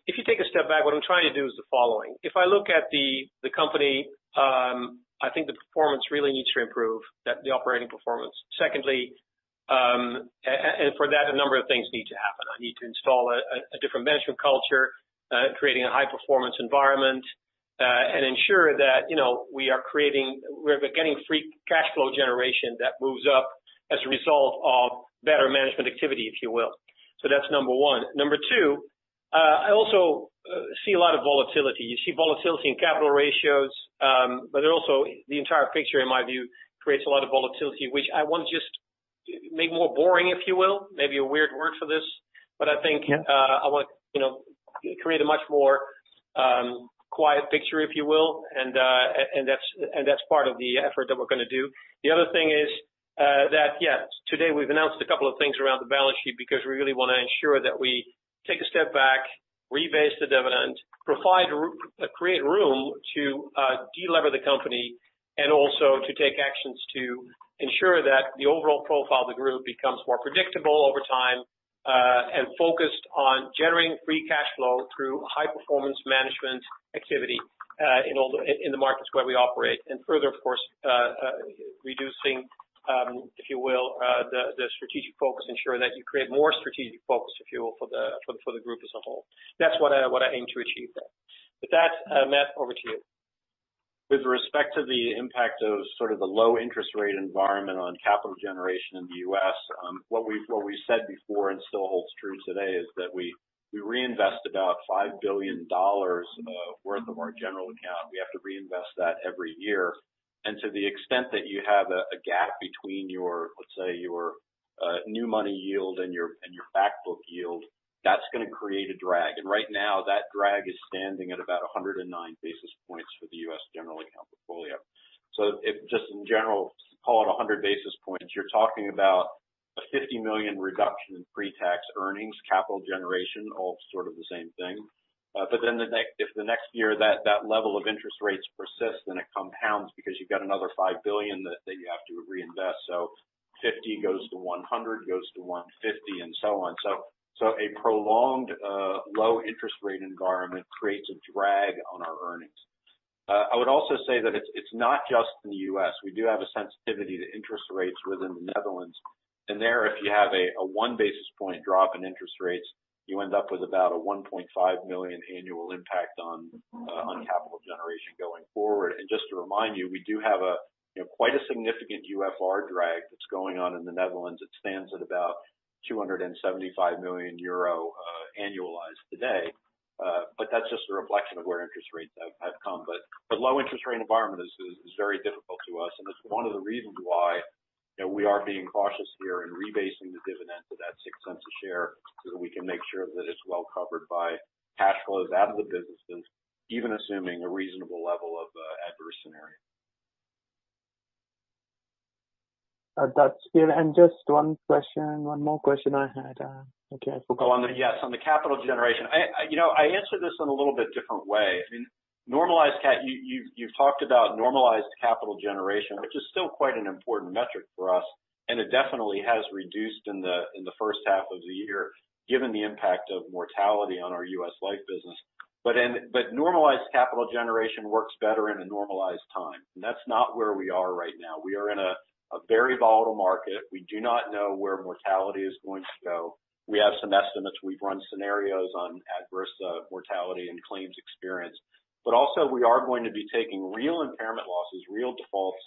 S3: if you take a step back, what I'm trying to do is the following: if I look at the company, I think the performance really needs to improve, the operating performance. Secondly, and for that, a number of things need to happen. I need to install a different management culture, creating a high performance environment, and ensure that, you know, we're getting free cash flow generation that moves up as a result of better management activity, if you will. So that's number one. Number two, I also see a lot of volatility. You see volatility in capital ratios, but it also, the entire picture, in my view, creates a lot of volatility, which I want to just make more boring, if you will. Maybe a weird word for this, but I think-
S4: Yeah.
S3: I want, you know, create a much more quiet picture, if you will, and that's part of the effort that we're gonna do. The other thing is that, yes, today we've announced a couple of things around the balance sheet because we really want to ensure that we take a step back, rebase the dividend, provide create room to delever the company, and also to take actions to ensure that the overall profile of the group becomes more predictable over time and focused on generating free cash flow through high performance management activity in all the markets where we operate. Further, of course, reducing, if you will, the strategic focus, ensuring that you create more strategic focus, if you will, for the group as a whole. That's what I aim to achieve there. With that, Matt, over to you.
S4: With respect to the impact of sort of the low interest rate environment on capital generation in the US, what we've said before and still holds true today, is that we reinvest about $5 billion worth of our general account. We have to reinvest that every year. And to the extent that you have a gap between your, let's say, your new money yield and your back book yield, that's gonna create a drag. And right now, that drag is standing at about 109 basis points for the US general account portfolio. So if just in general, call it 100 basis points, you're talking about a $50 million reduction in pre-tax earnings, capital generation, all sort of the same thing. But then the next year, if that level of interest rates persist, then it compounds because you've got another $5 billion that you have to reinvest. So 50 goes to 100, goes to 150, and so on. So a prolonged low interest rate environment creates a drag on our earnings. I would also say that it's not just in the U.S. We do have a sensitivity to interest rates within the Netherlands, and there, if you have a one basis point drop in interest rates, you end up with about a 1.5 million annual impact on capital generation going forward. And just to remind you, we do have, you know, quite a significant UFR drag that's going on in the Netherlands. It stands at about 275 million euro annualized today. But that's just a reflection of where interest rates have come. But low interest rate environment is very difficult to us, and it's one of the reasons why, you know, we are being cautious here in rebasing the dividend to that 0.06 a share, so we can make sure that it's well covered by cash flows out of the businesses, even assuming a reasonable level of adverse scenario.
S9: That's clear. And just one question, one more question I had, okay, I forgot.
S4: Oh, on the capital generation. Yes, on the capital generation. I, you know, I answered this in a little bit different way. I mean, you've talked about normalized capital generation, which is still quite an important metric for us, and it definitely has reduced in the first half of the year, given the impact of mortality on our U.S. life business. But normalized capital generation works better in a normalized time, and that's not where we are right now. We are in a very volatile market. We do not know where mortality is going to go. We have some estimates. We've run scenarios on adverse mortality and claims experience. But also, we are going to be taking real impairment losses, real defaults,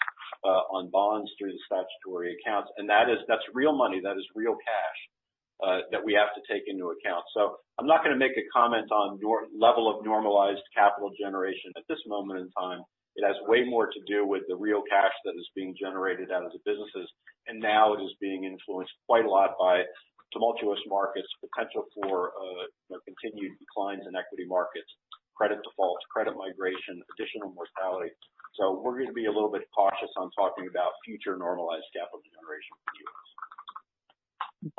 S4: on bonds through the statutory accounts, and that is, that's real money, that is real cash, that we have to take into account. So I'm not gonna make a comment on normal level of normalized capital generation at this moment in time. It has way more to do with the real cash that is being generated out of the businesses, and now it is being influenced quite a lot by tumultuous markets, potential for, you know, continued declines in equity markets, credit defaults, credit migration, additional mortality. So we're going to be a little bit cautious on talking about future normalized capital generation for the US.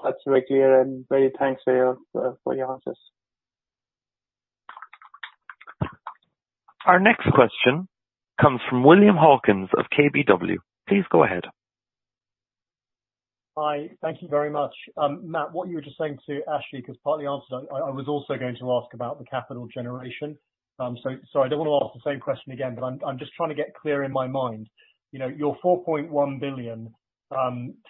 S9: That's very clear, and very thanks to you for your answers.
S1: Our next question comes from William Hawkins of KBW. Please go ahead.
S10: Hi. Thank you very much. Matt, what you were just saying to Ashik, because it partly answered, I was also going to ask about the capital generation. So, I don't want to ask the same question again, but I'm just trying to get clear in my mind. You know, your 4.1 billion,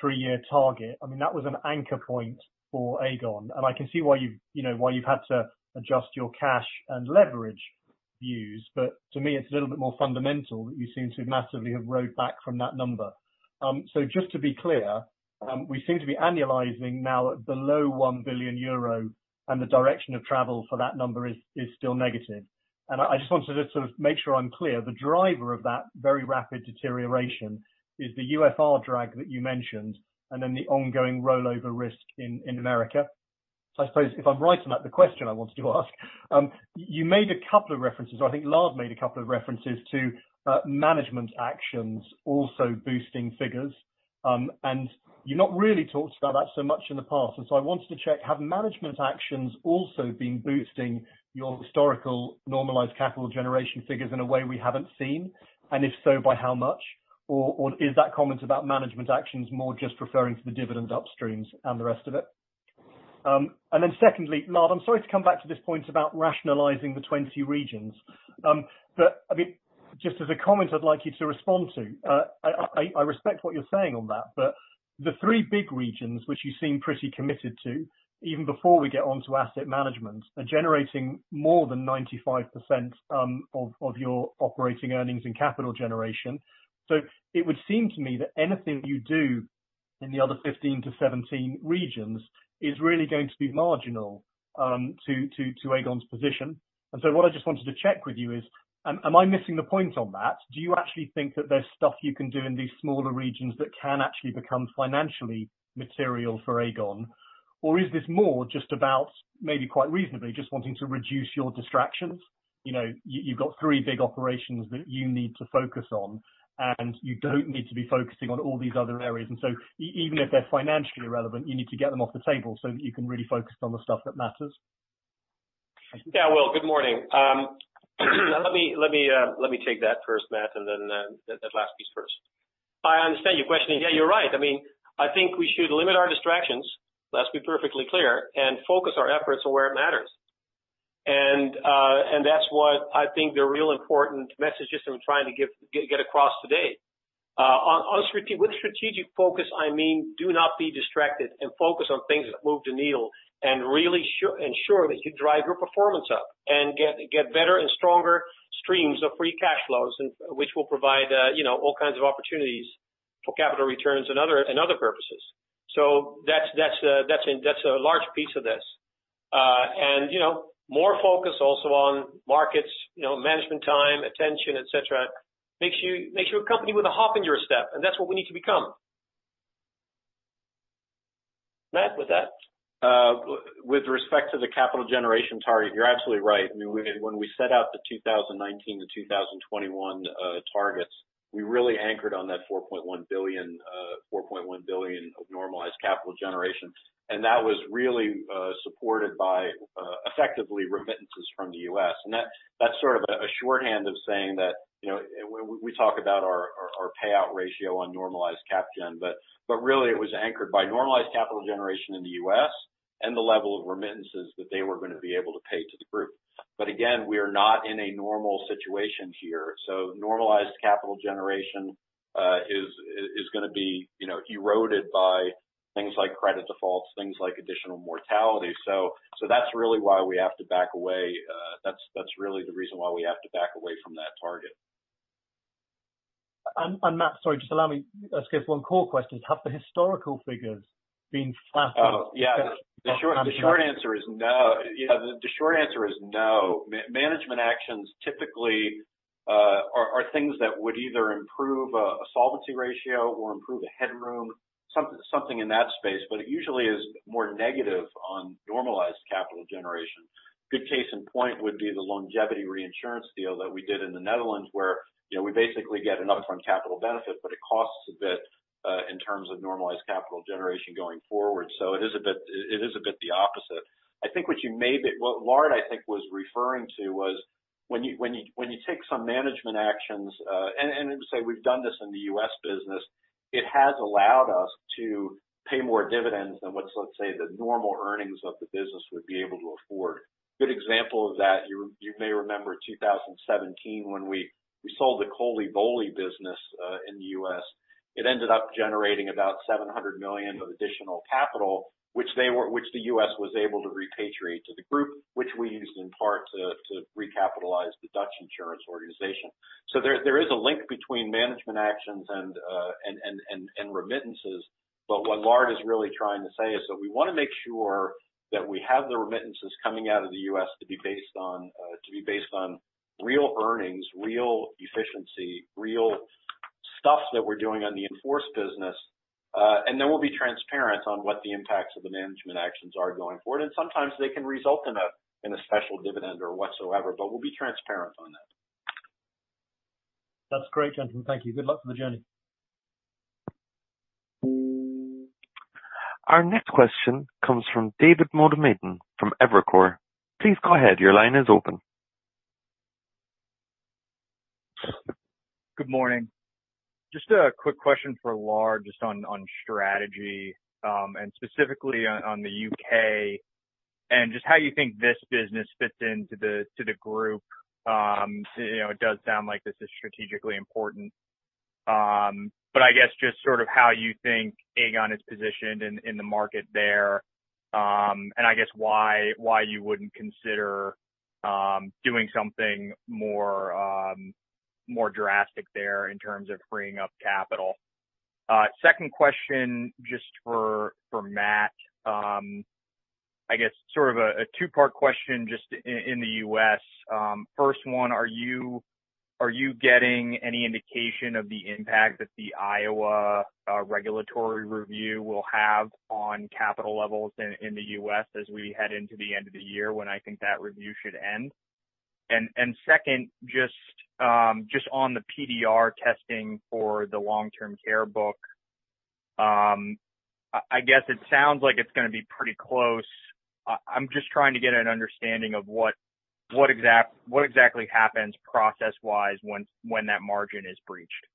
S10: three-year target, I mean, that was an anchor point for Aegon, and I can see why you've, you know, why you've had to adjust your cash and leverage views. But to me, it's a little bit more fundamental that you seem to massively have rowed back from that number. So just to be clear, we seem to be annualizing now at below 1 billion euro, and the direction of travel for that number is still negative. I just wanted to sort of make sure I'm clear. The driver of that very rapid deterioration is the UFR drag that you mentioned and then the ongoing rollover risk in America, so I suppose if I'm right about the question I wanted to ask, you made a couple of references, or I think Lard made a couple of references to management actions also boosting figures, and you've not really talked about that so much in the past, and so I wanted to check: have management actions also been boosting your historical normalized capital generation figures in a way we haven't seen, and if so, by how much? Or is that comment about management actions more just referring to the dividend upstreams and the rest of it? And then secondly, Lard, I'm sorry to come back to this point about rationalizing the 20 regions. But, I mean, just as a comment, I'd like you to respond to. I respect what you're saying on that, but the three big regions which you seem pretty committed to, even before we get onto asset management, are generating more than 95% of your operating earnings and capital generation. So it would seem to me that anything you do in the other 15 to 17 regions is really going to be marginal to Aegon's position. And so what I just wanted to check with you is, am I missing the point on that? Do you actually think that there's stuff you can do in these smaller regions that can actually become financially material for Aegon? Or is this more just about, maybe quite reasonably, just wanting to reduce your distractions? You know, you've got three big operations that you need to focus on, and you don't need to be focusing on all these other areas. And so even if they're financially relevant, you need to get them off the table so that you can really focus on the stuff that matters.
S3: Yeah, Will, good morning. Let me take that first, Matt, and then that last piece first. I understand your question, and yeah, you're right. I mean, I think we should limit our distractions, let's be perfectly clear, and focus our efforts on where it matters. And, and that's what I think the real important messages that we're trying to get across today. On strategic focus, I mean, do not be distracted, and focus on things that move the needle, and really ensure that you drive your performance up and get better and stronger streams of free cash flows, and which will provide, you know, all kinds of opportunities for capital returns and other purposes. So that's a large piece of this. You know, more focus also on markets, you know, management time, attention, et cetera, makes you a company with a hop in your step, and that's what we need to become. Matt, with that?
S4: With respect to the capital generation target, you're absolutely right. I mean, when we set out the 2019 to 2021 targets, we really anchored on that €4.1 billion of normalized capital generation. And that was really supported by effectively remittances from the US. And that's sort of a shorthand of saying that, you know, we talk about our payout ratio on normalized cap gen, but really it was anchored by normalized capital generation in the US, and the level of remittances that they were going to be able to pay to the group. But again, we are not in a normal situation here, so normalized capital generation is going to be, you know, eroded by things like credit defaults, things like additional mortality. So that's really why we have to back away. That's really the reason why we have to back away from that target.
S10: Matt, sorry, just allow me to ask you one core question: Have the historical figures been flattered?
S4: Yeah, the short answer is no. Yeah, the short answer is no. Management actions typically are things that would either improve a solvency ratio or improve a headroom, something in that space, but it usually is more negative on normalized capital generation. Good case in point would be the longevity reinsurance deal that we did in the Netherlands, where, you know, we basically get an upfront capital benefit, but it costs a bit in terms of normalized capital generation going forward. So it is a bit the opposite. I think what you may be-- what Lard, I think, was referring to was when you take some management actions, and say we've done this in the US business, it has allowed us to pay more dividends than what's, let's say, the normal earnings of the business would be able to afford. Good example of that, you may remember in 2017 when we sold the COLI BOLI business in the US. It ended up generating about $700 million of additional capital, which the US was able to repatriate to the group, which we used in part to recapitalize the Dutch insurance organization. So there is a link between management actions and remittances. But what Lard is really trying to say is that we want to make sure that we have the remittances coming out of the U.S. to be based on real earnings, real efficiency, real stuff that we're doing on the in-force business. And then we'll be transparent on what the impacts of the management actions are going forward, and sometimes they can result in a special dividend or whatsoever, but we'll be transparent on that.
S10: That's great, gentlemen. Thank you. Good luck on the journey.
S1: Our next question comes from David Motemaden from Evercore. Please go ahead. Your line is open.
S11: Good morning. Just a quick question for Lard, just on strategy, and specifically on the UK, and just how you think this business fits into the group. You know, it does sound like this is strategically important. But I guess just sort of how you think Aegon is positioned in the market there, and I guess why you wouldn't consider doing something more drastic there in terms of freeing up capital? Second question, just for Matt. I guess sort of a two-part question just in the US. First one, are you getting any indication of the impact that the Iowa regulatory review will have on capital levels in the US as we head into the end of the year, when I think that review should end? Second, just on the PDR testing for the long-term care book, I guess it sounds like it's going to be pretty close. I'm just trying to get an understanding of what exactly happens process-wise when that margin is breached?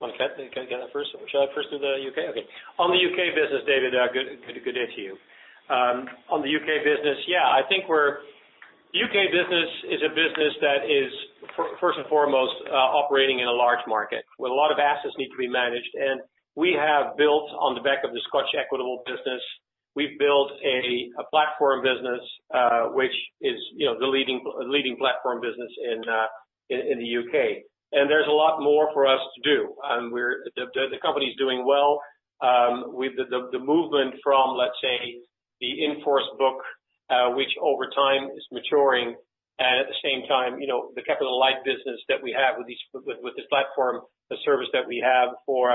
S3: Want to get that first? Shall I first do the UK? Okay. On the UK business, David, good day to you. On the UK business, yeah, I think we're. UK business is a business that is first and foremost operating in a large market, where a lot of assets need to be managed, and we have built on the back of the Scottish Equitable business. We've built a platform business, which is, you know, the leading platform business in the UK. And there's a lot more for us to do. We're. The company's doing well. With the movement from, let's say, the in-force book, which over time is maturing, and at the same time, you know, the capital light business that we have with this platform, the service that we have for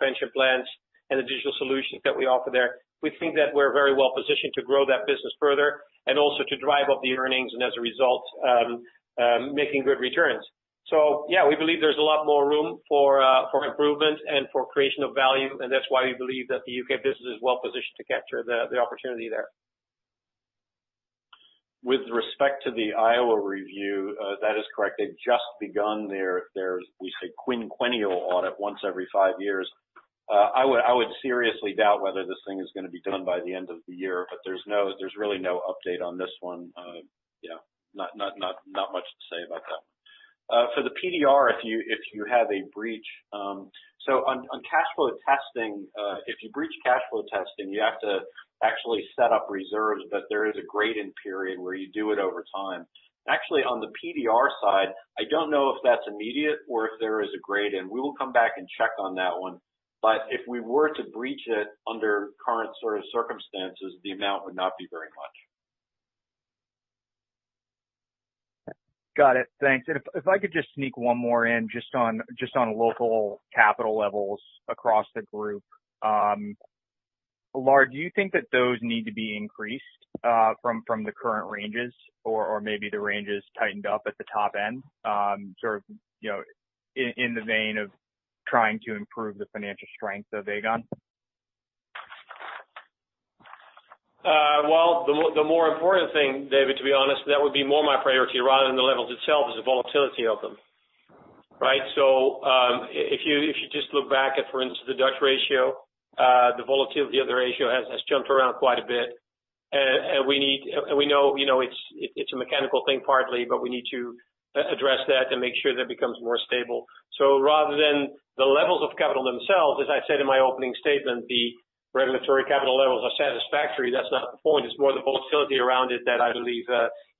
S3: pension plans and the digital solutions that we offer there, we think that we're very well positioned to grow that business further and also to drive up the earnings and, as a result, making good returns. So yeah, we believe there's a lot more room for improvement and for creation of value, and that's why we believe that the UK business is well positioned to capture the opportunity there.
S4: With respect to the Iowa review, that is correct. They've just begun their, we say, quinquennial audit, once every five years. I would seriously doubt whether this thing is gonna be done by the end of the year, but there's no update on this one. You know, not much to say about that. For the PDR, if you have a breach, so on cash flow testing, if you breach cash flow testing, you have to actually set up reserves, but there is a grading period where you do it over time. Actually, on the PDR side, I don't know if that's immediate or if there is a grade-in. We will come back and check on that one, but if we were to breach it under current sort of circumstances, the amount would not be very much.
S11: Got it. Thanks. And if I could just sneak one more in, just on local capital levels across the group. Lard, do you think that those need to be increased from the current ranges or maybe the ranges tightened up at the top end, sort of, you know, in the vein of trying to improve the financial strength of Aegon?
S3: Well, the more important thing, David, to be honest, that would be more my priority rather than the levels itself, is the volatility of them, right? So, if you just look back at, for instance, the Dutch ratio, the volatility of the ratio has jumped around quite a bit. And we need, and we know it's a mechanical thing partly, but we need to address that and make sure that becomes more stable. So rather than the levels of capital themselves, as I said in my opening statement, the regulatory capital levels are satisfactory. That's not the point. It's more the volatility around it that I believe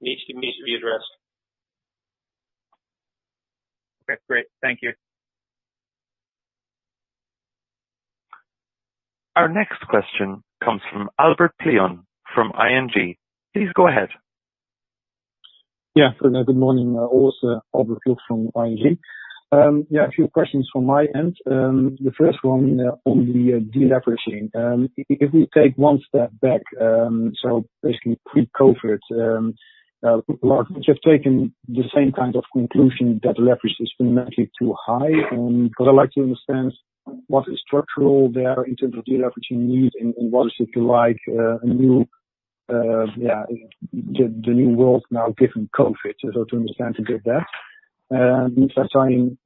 S3: needs to be addressed.
S11: Okay, great. Thank you.
S1: Our next question comes from Albert Ploegh from ING. Please go ahead.
S12: Yeah, good morning all. Albert Ploegh from ING. Yeah, a few questions from my end. The first one, on the deleveraging. If we take one step back, so basically pre-COVID, Lard, we have taken the same kind of conclusion that leverage is dramatically too high. But I'd like to understand what is structural there in terms of deleveraging needs and what is, if you like, a new, yeah, the new world now given COVID, so to understand a bit better. The second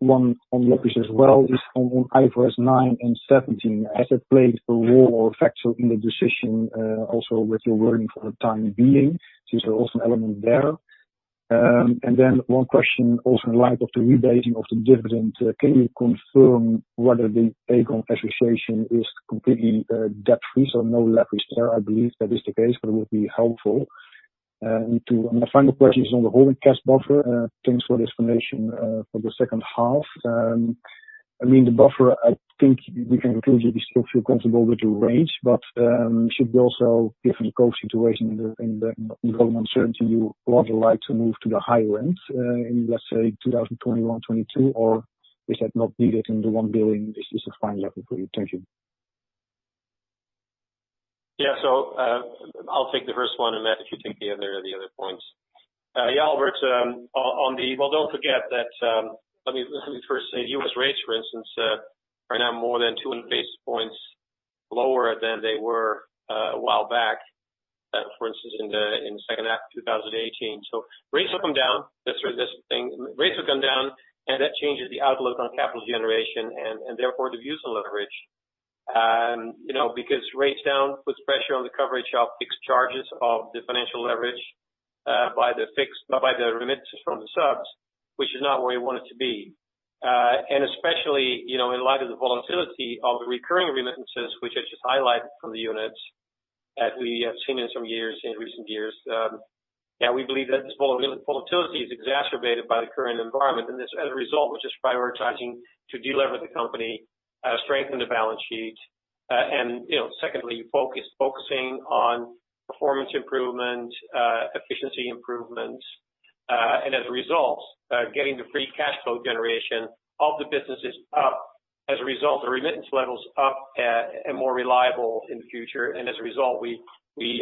S12: one on leverage as well, is on IFRS 9 and 17, has it played a role or factor in the decision, also with your wording for the time being? Since there's also an element there. And then one question also in light of the rebasing of the dividend, can you confirm whether the Aegon Americas is completely debt-free? So no leverage there. I believe that is the case, but it would be helpful. And my final question is on the holding cash buffer. Thanks for the explanation for the second half. I mean, the buffer, I think we can conclude you still feel comfortable with your range, but should we also, given the COVID situation and the ongoing uncertainty, you would like to move to the high end, in let's say 2021, 2022? Or is that not needed in the long view, this is a fine level for you? Thank you.
S3: Yeah. So, I'll take the first one, and, Matt, if you take the other points. Yeah, Albert, on the-- well, don't forget that, let me first say, US rates, for instance, are now more than 200 basis points lower than they were a while back. For instance, in the second half of 2018. So rates have come down. That's sort of this thing. Rates have come down, and that changes the outlook on capital generation and therefore the views on leverage. And, you know, because rates down puts pressure on the coverage of fixed charges of the financial leverage by the remittances from the subs, which is not where we want it to be. Especially, you know, in light of the volatility of the recurring remittances, which I just highlighted from the units, as we have seen in some years, in recent years, yeah, we believe that this volatility is exacerbated by the current environment. As a result, we're just prioritizing to delever the company, strengthen the balance sheet, and, you know, secondly, focusing on performance improvement, efficiency improvement, and as a result, getting the free cash flow generation of the businesses up, as a result, the remittance levels up, and more reliable in the future. As a result, we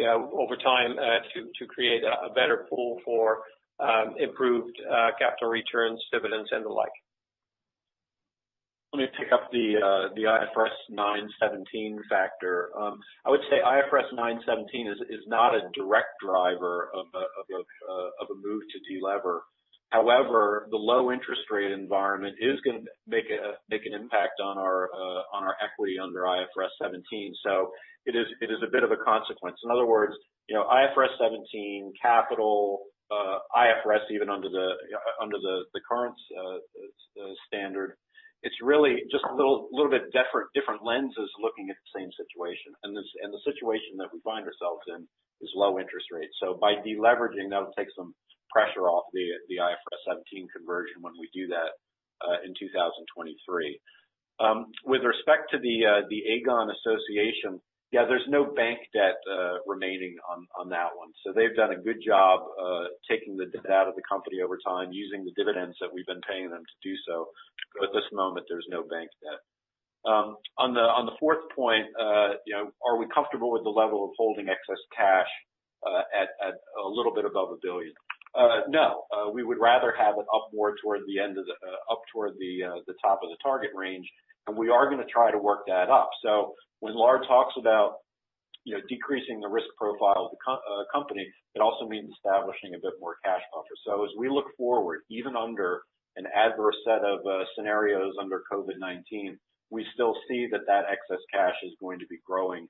S3: over time to create a better pool for improved capital returns, dividends, and the like.
S4: Let me pick up the, the IFRS 9 and 17 factor. I would say IFRS 9 and 17 is not a direct driver of a move to delever. However, the low interest rate environment is gonna make an impact on our equity under IFRS 17, so it is a bit of a consequence. In other words, you know, IFRS 17 capital, IFRS even under the current standard it's really just a little bit different lenses looking at the same situation. And the situation that we find ourselves in is low interest rates. So by deleveraging, that'll take some pressure off the IFRS 17 conversion when we do that in 2023. With respect to the Aegon Association, yeah, there's no bank debt remaining on that one. So they've done a good job taking the debt out of the company over time, using the dividends that we've been paying them to do so. But at this moment, there's no bank debt. On the fourth point, you know, are we comfortable with the level of holding excess cash at a little bit above €1 billion? No, we would rather have it up toward the top of the target range, and we are gonna try to work that up. So when Lard talks about, you know, decreasing the risk profile of the company, it also means establishing a bit more cash buffer. So as we look forward, even under an adverse set of scenarios under COVID-19, we still see that excess cash is going to be growing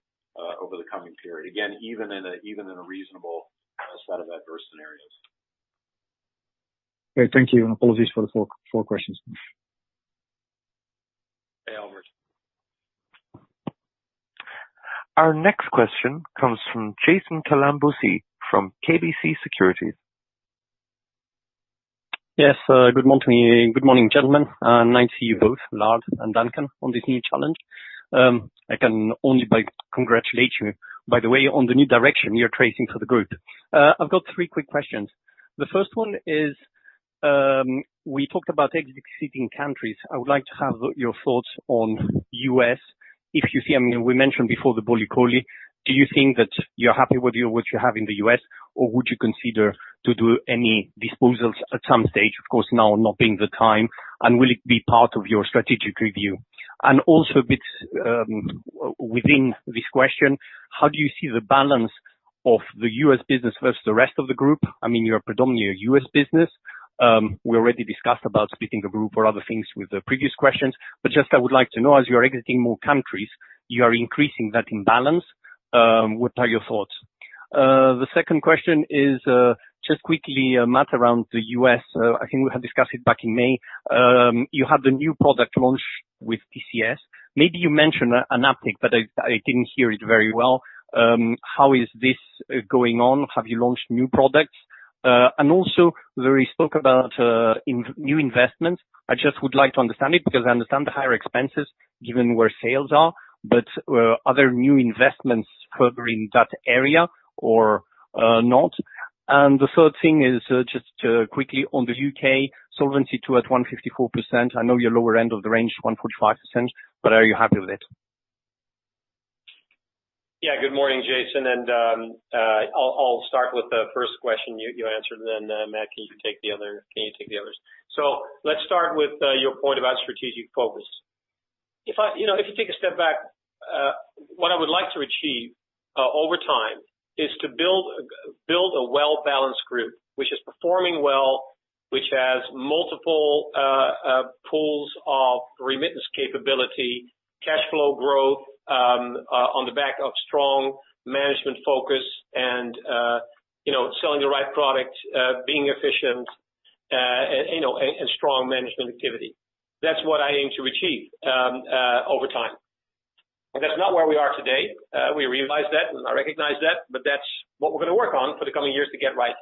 S4: over the coming period, again, even in a reasonable set of adverse scenarios.
S12: Okay, thank you, and apologies for the four questions.
S4: Hey, Albert.
S1: Our next question comes from Jason Kalamboussis from KBC Securities.
S13: Yes, good morning. Good morning, gentlemen, and nice to meet you both, Lard and Duncan, on this new challenge. I can only but congratulate you, by the way, on the new direction you're taking for the group. I've got three quick questions. The first one is, we talked about exiting countries. I would like to have your thoughts on US, if you see. I mean, we mentioned before the portfolio, do you think that you're happy with what you have in the US, or would you consider to do any disposals at some stage, of course, now not being the time, and will it be part of your strategic review? Also, a bit within this question, how do you see the balance of the US business versus the rest of the group? I mean, you're predominantly a US business. We already discussed about splitting the group or other things with the previous questions, but just I would like to know, as you are exiting more countries, you are increasing that imbalance. What are your thoughts? The second question is, just quickly, Matt, around the US, I think we have discussed it back in May. You have the new product launch with TCS. Maybe you mentioned an uptick, but I didn't hear it very well. How is this going on? Have you launched new products? And also, when we spoke about in new investments, I just would like to understand it, because I understand the higher expenses given where sales are, but are there new investments further in that area or not? The third thing is, just, quickly on the UK Solvency II at 154%, I know you're lower end of the range, 1.5%, but are you happy with it?
S3: Yeah. Good morning, Jason, and, I'll start with the first question you answered, and then, Matt, can you take the others? So let's start with your point about strategic focus. If I, you know, if you take a step back, what I would like to achieve over time is to build a well-balanced group, which is performing well, which has multiple pools of remittance capability, cash flow growth on the back of strong management focus and, you know, selling the right product, being efficient, and, you know, and strong management activity. That's what I aim to achieve over time. That's not where we are today. We realize that, and I recognize that, but that's what we're gonna work on for the coming years to get right.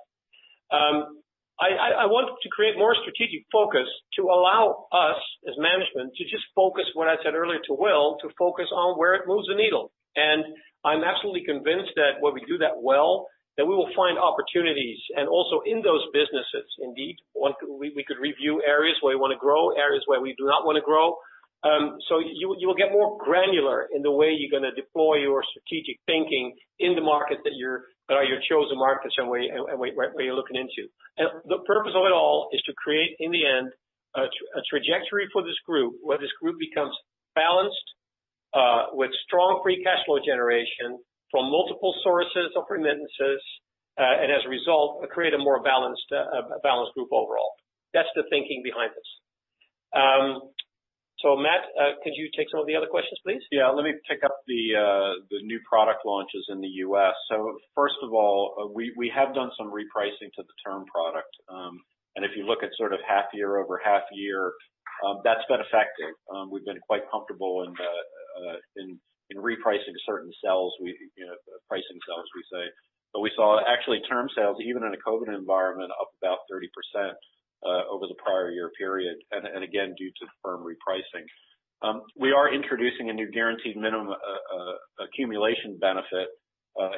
S3: I want to create more strategic focus to allow us, as management, to just focus what I said earlier to Will, to focus on where it moves the needle. I'm absolutely convinced that when we do that well, that we will find opportunities, and also in those businesses, indeed, we could review areas where we wanna grow, areas where we do not wanna grow. You will get more granular in the way you're gonna deploy your strategic thinking in the market that are your chosen markets and where you're looking into. And the purpose of it all is to create, in the end, a trajectory for this group, where this group becomes balanced, with strong free cash flow generation from multiple sources of remittances, and as a result, create a more balanced, a balanced group overall. That's the thinking behind this. So Matt, could you take some of the other questions, please?
S4: Yeah, let me pick up the the new product launches in the US. So first of all, we have done some repricing to the term product. And if you look at sort of half year, over half year, that's been effective. We've been quite comfortable in the in repricing certain sales you know pricing sales, we say. But we saw actually term sales, even in a COVID environment, up about 30% over the prior year period, and again, due to firm repricing. We are introducing a new guaranteed minimum accumulation benefit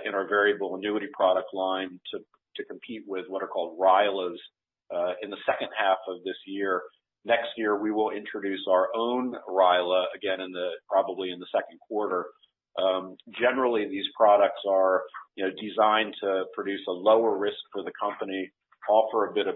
S4: in our variable annuity product line to compete with what are called RILAs in the second half of this year. Next year, we will introduce our own RILA, again, probably in the second quarter. Generally, these products are, you know, designed to produce a lower risk for the company, offer a bit of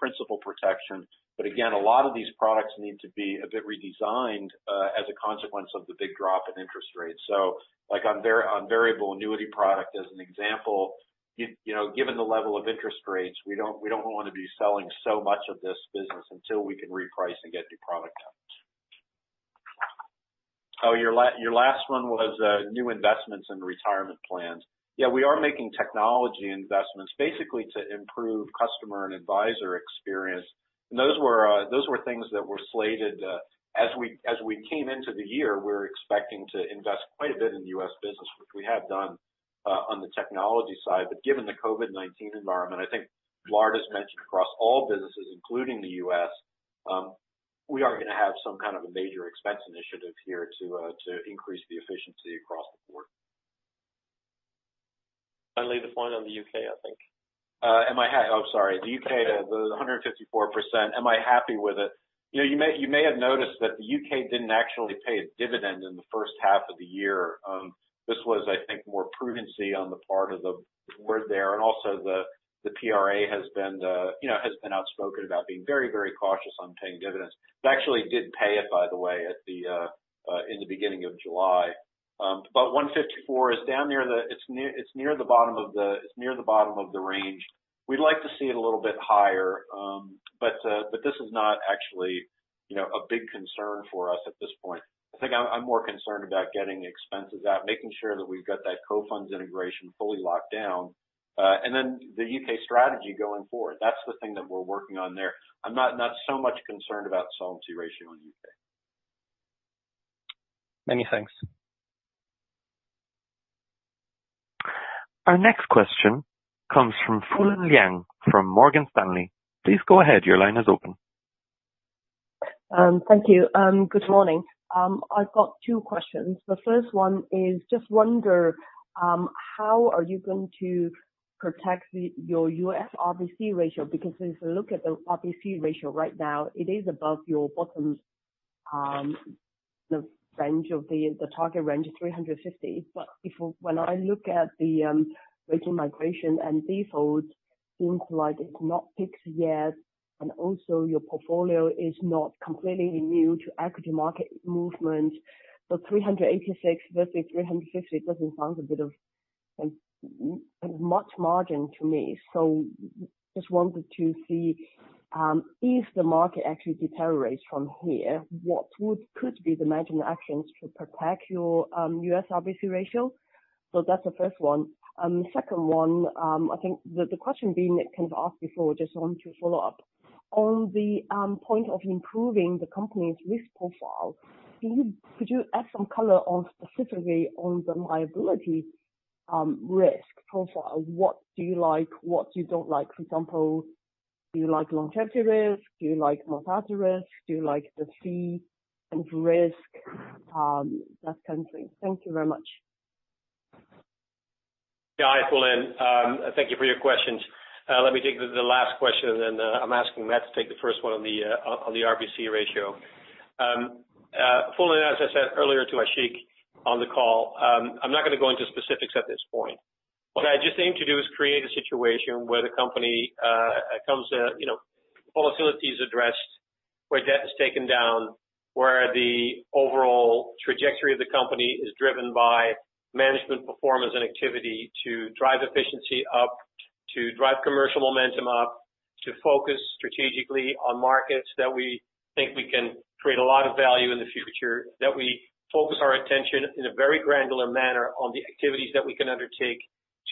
S4: principal protection, but again, a lot of these products need to be a bit redesigned as a consequence of the big drop in interest rates. So like on variable annuity product, as an example, you know, given the level of interest rates, we don't want to be selling so much of this business until we can reprice and get new product out. Oh, your last one was new investments in retirement plans. Yeah, we are making technology investments basically to improve customer and advisor experience. And those were things that were slated as we came into the year. We were expecting to invest quite a bit in the US business, which we have done on the technology side. But given the COVID-19 environment, I think Lard has mentioned across all businesses, including the US, we are gonna have some kind of a major expense initiative here to increase the efficiency across the board. Finally, the point on the U.K., I think. The U.K., the 154%. Am I happy with it? You know, you may, you may have noticed that the U.K. didn't actually pay a dividend in the first half of the year. This was, I think, more prudency on the part of the board there, and also the PRA has been, you know, has been outspoken about being very, very cautious on paying dividends. But actually did pay it, by the way, in the beginning of July. But 154 is down near the it's near, it's near the bottom of the it's near the bottom of the range. We'd like to see it a little bit higher, but this is not actually, you know, a big concern for us at this point. I think I'm more concerned about getting the expenses out, making sure that we've got that Cofunds integration fully locked down, and then the UK strategy going forward. That's the thing that we're working on there. I'm not so much concerned about solvency ratio in UK. Many thanks.
S1: Our next question comes from Fulin Liang from Morgan Stanley. Please go ahead. Your line is open.
S14: Thank you. Good morning. I've got two questions. The first one is, just wonder, how are you going to protect the, your U.S. RBC ratio? Because if you look at the RBC ratio right now, it is above your bottom, the range of the, the target range of 350. But before, when I look at the, rating migration and defaults, seems like it's not fixed yet, and also your portfolio is not completely immune to equity market movement. So 386 versus 350 doesn't sound a bit of, much margin to me. So just wanted to see, if the market actually deteriorates from here, what would could be the management actions to protect your, U.S. RBC ratio? So that's the first one. The second one, I think the question being kind of asked before, just want to follow up. On the point of improving the company's risk profile, could you add some color on, specifically on the liability risk profile? What do you like? What you don't like? For example, do you like longevity risk? Do you like mortality risk? Do you like the fee and risk, that kind of thing? Thank you very much.
S3: Yeah. Hi, Fulin. Thank you for your questions. Let me take the last question, and then I'm asking Matt to take the first one on the RBC ratio. Fulin, as I said earlier to Ashik on the call, I'm not gonna go into specifics at this point. What I just aim to do is create a situation where the company comes to, you know, volatility is addressed, where debt is taken down, where the overall trajectory of the company is driven by management performance and activity to drive efficiency up, to drive commercial momentum up, to focus strategically on markets that we think we can create a lot of value in the future. That we focus our attention in a very granular manner on the activities that we can undertake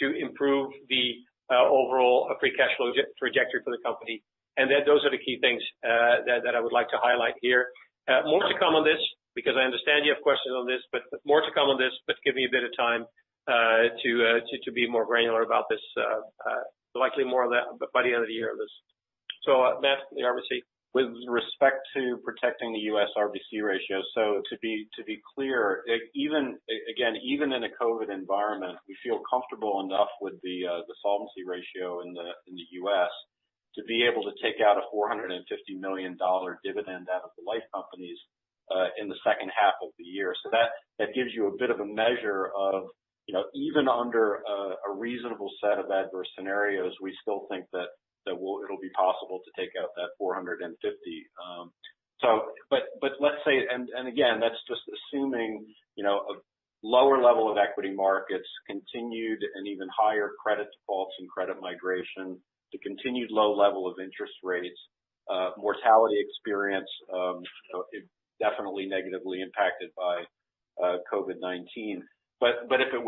S3: to improve the overall free cash flow trajectory for the company. And then those are the key things that that I would like to highlight here. More to come on this, because I understand you have questions on this, but more to come on this, but give me a bit of time to be more granular about this, likely more of that by the end of the year on this. So, Matt, the RBC.
S4: With respect to protecting the US RBC ratio, so to be clear, it even again even in a COVID environment, we feel comfortable enough with the solvency ratio in the US to be able to take out a $450 million dividend out of the life companies in the second half of the year. So that gives you a bit of a measure of, you know, even under a reasonable set of adverse scenarios, we still think that we'll it'll be possible to take out that $450. So, but let's say... Again, that's just assuming, you know, a lower level of equity markets continued, and even higher credit defaults and credit migration, the continued low level of interest rates, mortality experience. It definitely negatively impacted by COVID-19. But if it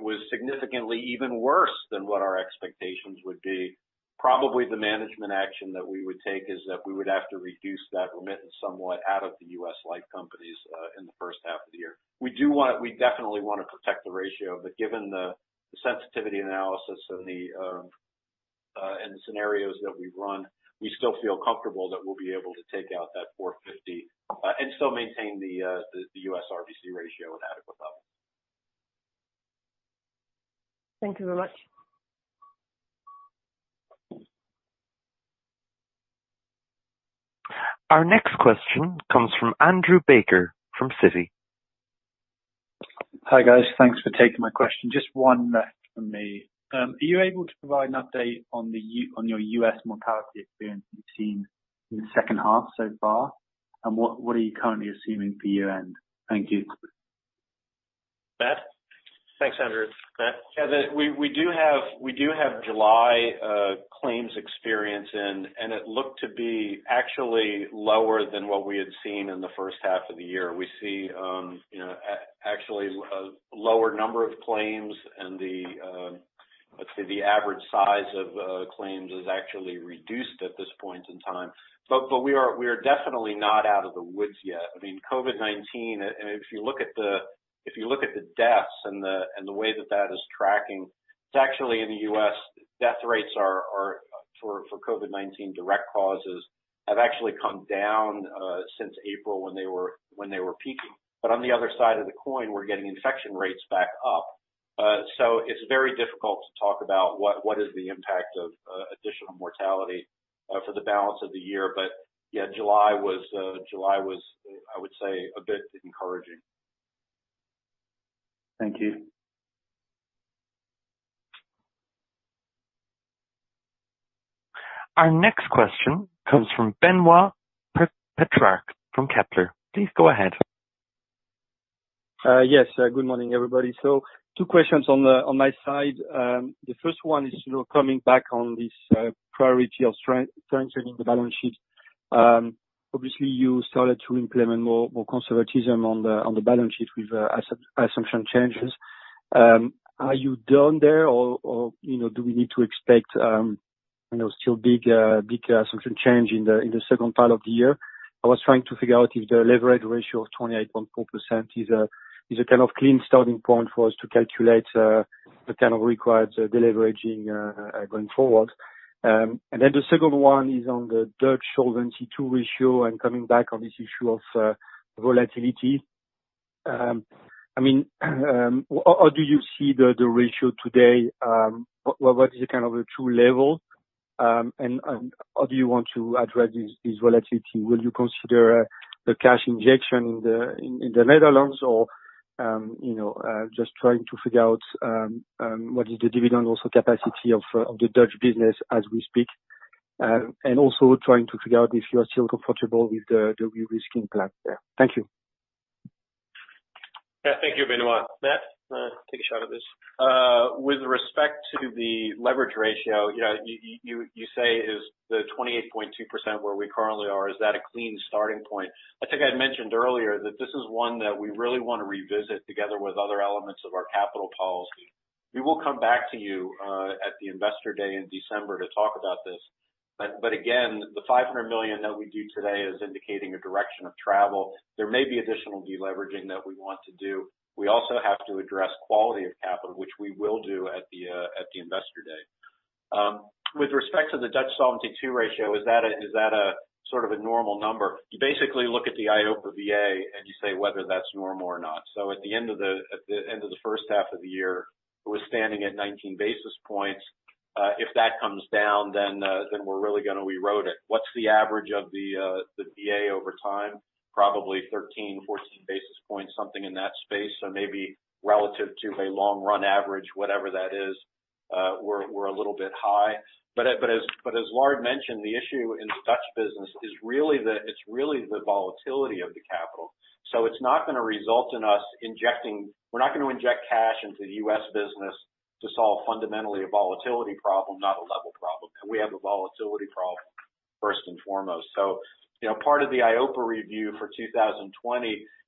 S4: was significantly even worse than what our expectations would be, probably the management action that we would take is that we would have to reduce that remittance somewhat out of the US life companies in the first half of the year. We do want to. We definitely want to protect the ratio, but given the sensitivity analysis and the scenarios that we've run, we still feel comfortable that we'll be able to take out that 450 and still maintain the US RBC ratio at adequate level.
S14: Thank you very much.
S1: Our next question comes from Andrew Baker, from Citi.
S15: Hi, guys. Thanks for taking my question. Just one left for me. Are you able to provide an update on your US mortality experience you've seen in the second half so far? And what are you currently assuming for year-end? Thank you.
S4: Thanks, Andrew. Matt? Yeah, we do have July claims experience in, and it looked to be actually lower than what we had seen in the first half of the year. We see you know actually a lower number of claims and the let's see the average size of claims is actually reduced at this point in time. But we are definitely not out of the woods yet. I mean, COVID-19 and if you look at the deaths and the way that that is tracking, it's actually in the U.S. death rates are for COVID-19 direct causes have actually come down since April when they were peaking. But on the other side of the coin, we're getting infection rates back up. So it's very difficult to talk about what is the impact of additional mortality for the balance of the year. But yeah, July was, I would say, a bit encouraging. Thank you.
S1: Our next question comes from Benoit Petrarque from Kepler. Please go ahead.
S16: Yes, good morning, everybody. Two questions on my side. The first one is, you know, coming back on this priority of strengthening the balance sheet. Obviously, you started to implement more conservatism on the balance sheet with assumption changes. Are you done there, or, you know, do we need to expect still big assumption change in the second half of the year? I was trying to figure out if the leverage ratio of 28.4% is a kind of clean starting point for us to calculate the kind of required deleveraging going forward, and then the second one is on the Dutch Solvency II ratio, and coming back on this issue of volatility. I mean, how do you see the ratio today? What is the kind of a true level? How do you want to address this volatility? Will you consider the cash injection in the Netherlands or, you know, just trying to figure out what is the dividend also capacity of the Dutch business as we speak, and also trying to figure out if you are still comfortable with the de-risking plan there. Thank you.
S3: Yeah. Thank you, Benoît. Matt, take a shot at this. With respect to the leverage ratio, you know, you say is the 28.2% where we currently are, is that a clean starting point? I think I had mentioned earlier that this is one that we really want to revisit together with other elements of our capital policy. We will come back to you at the Investor Day in December to talk about this. But again, the 500 million that we do today is indicating a direction of travel. There may be additional deleveraging that we want to do. We also have to address quality of capital, which we will do at the Investor Day. With respect to the Dutch Solvency II ratio, is that a sort of a normal number?
S4: You basically look at the EIOPA VA, and you say whether that's normal or not. So at the end of the first half of the year, it was standing at nineteen basis points. If that comes down, then we're really going to erode it. What's the average of the VA over time? Probably thirteen, fourteen basis points, something in that space. So maybe relative to a long run average, whatever that is, we're a little bit high. But as Lard mentioned, the issue in the Dutch business is really the volatility of the capital. So it's not going to result in us injecting cash into the U.S. business to solve fundamentally a volatility problem, not a level problem, and we have a volatility problem first and foremost. So, you know, part of the EIOPA review for 2020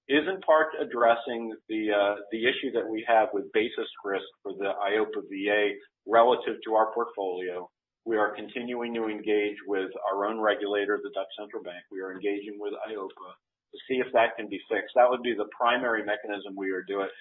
S4: is in part addressing the, the issue that we have with basis risk for the EIOPA VA, relative to our portfolio. We are continuing to engage with our own regulator, the Dutch Central Bank. We are engaging with EIOPA to see if that can be fixed. That would be the primary mechanism we are doing, that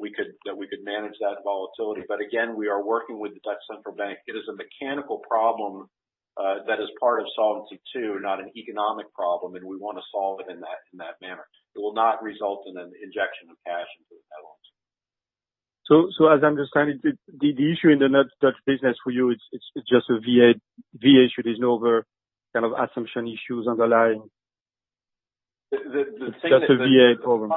S4: we could, that we could manage that volatility. But again, we are working with the Dutch Central Bank. It is a mechanical problem, that is part of Solvency II, not an economic problem, and we want to solve it in that, in that manner. It will not result in an injection of cash into the Netherlands.
S16: As I'm understanding, the issue in the Dutch business for you, it's just a VA issue, there's no other kind of assumption issues underlying?
S4: The thing-
S16: Just a VA problem.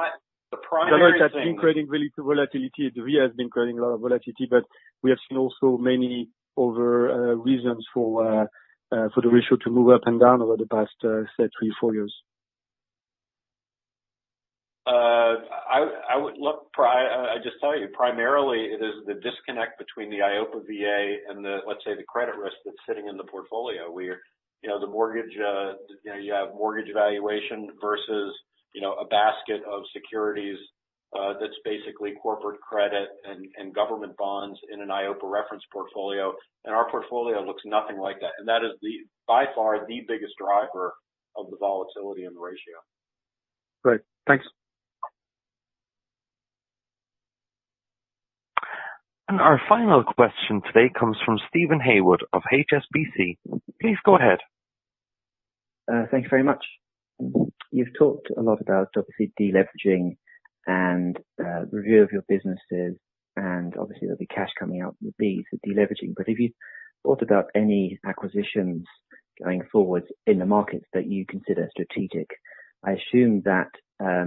S4: The primary thing-
S16: That's increasing volatility. The VA has been creating a lot of volatility, but we have seen also many other reasons for the ratio to move up and down over the past, say, three, four years.
S4: I just tell you, primarily it is the disconnect between the EIOPA VA and the, let's say, the credit risk that's sitting in the portfolio. We're, you know, the mortgage, you know, you have mortgage valuation versus, you know, a basket of securities, that's basically corporate credit and government bonds in an EIOPA reference portfolio, and our portfolio looks nothing like that. And that is the, by far, the biggest driver of the volatility in the ratio.
S16: Great. Thanks.
S1: Our final question today comes from Steven Haywood of HSBC. Please go ahead.
S17: Thank you very much. You've talked a lot about obviously deleveraging and review of your businesses, and obviously, there'll be cash coming out with the deleveraging. But have you thought about any acquisitions going forward in the markets that you consider strategic? I assume that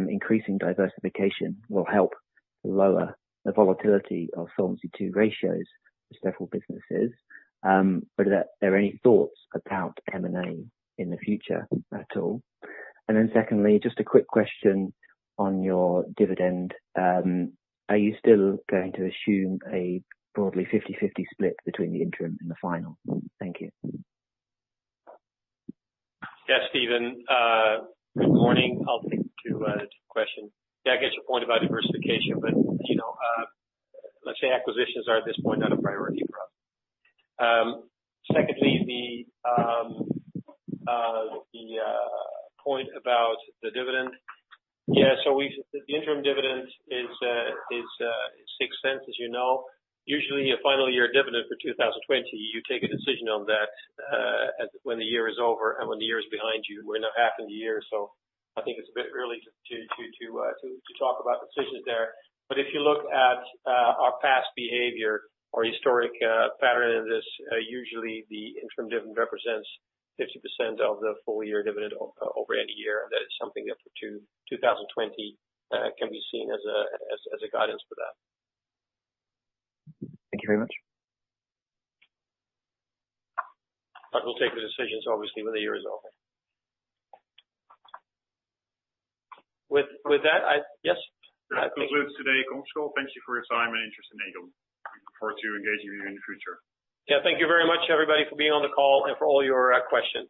S17: increasing diversification will help lower the volatility of Solvency II ratios with several businesses. But are there any thoughts about M&A in the future at all? And then secondly, just a quick question on your dividend. Are you still going to assume a broadly fifty-fifty split between the interim and the final? Thank you.
S3: Yeah, Steven, good morning. I'll speak to the question. Yeah, I get your point about diversification, but, you know, let's say acquisitions are, at this point, not a priority for us. Secondly, the point about the dividend. Yeah, so we've -- the interim dividend is €0.06, as you know. Usually, a final year dividend for 2020, you take a decision on that, at, when the year is over and when the year is behind you. We're now half in the year, so I think it's a bit early to talk about decisions there. But if you look at our past behavior, our historic pattern of this, usually the interim dividend represents 50% of the full year dividend o- over any year. That is something that for 2020 can be seen as a guidance for that.
S17: Thank you very much.
S3: But we'll take the decisions, obviously, when the year is over. With that, I... Yes?
S2: That concludes today's call. Thank you for your time and interest in Aegon. Look forward to engaging you in the future.
S3: Yeah, thank you very much, everybody, for being on the call and for all your questions.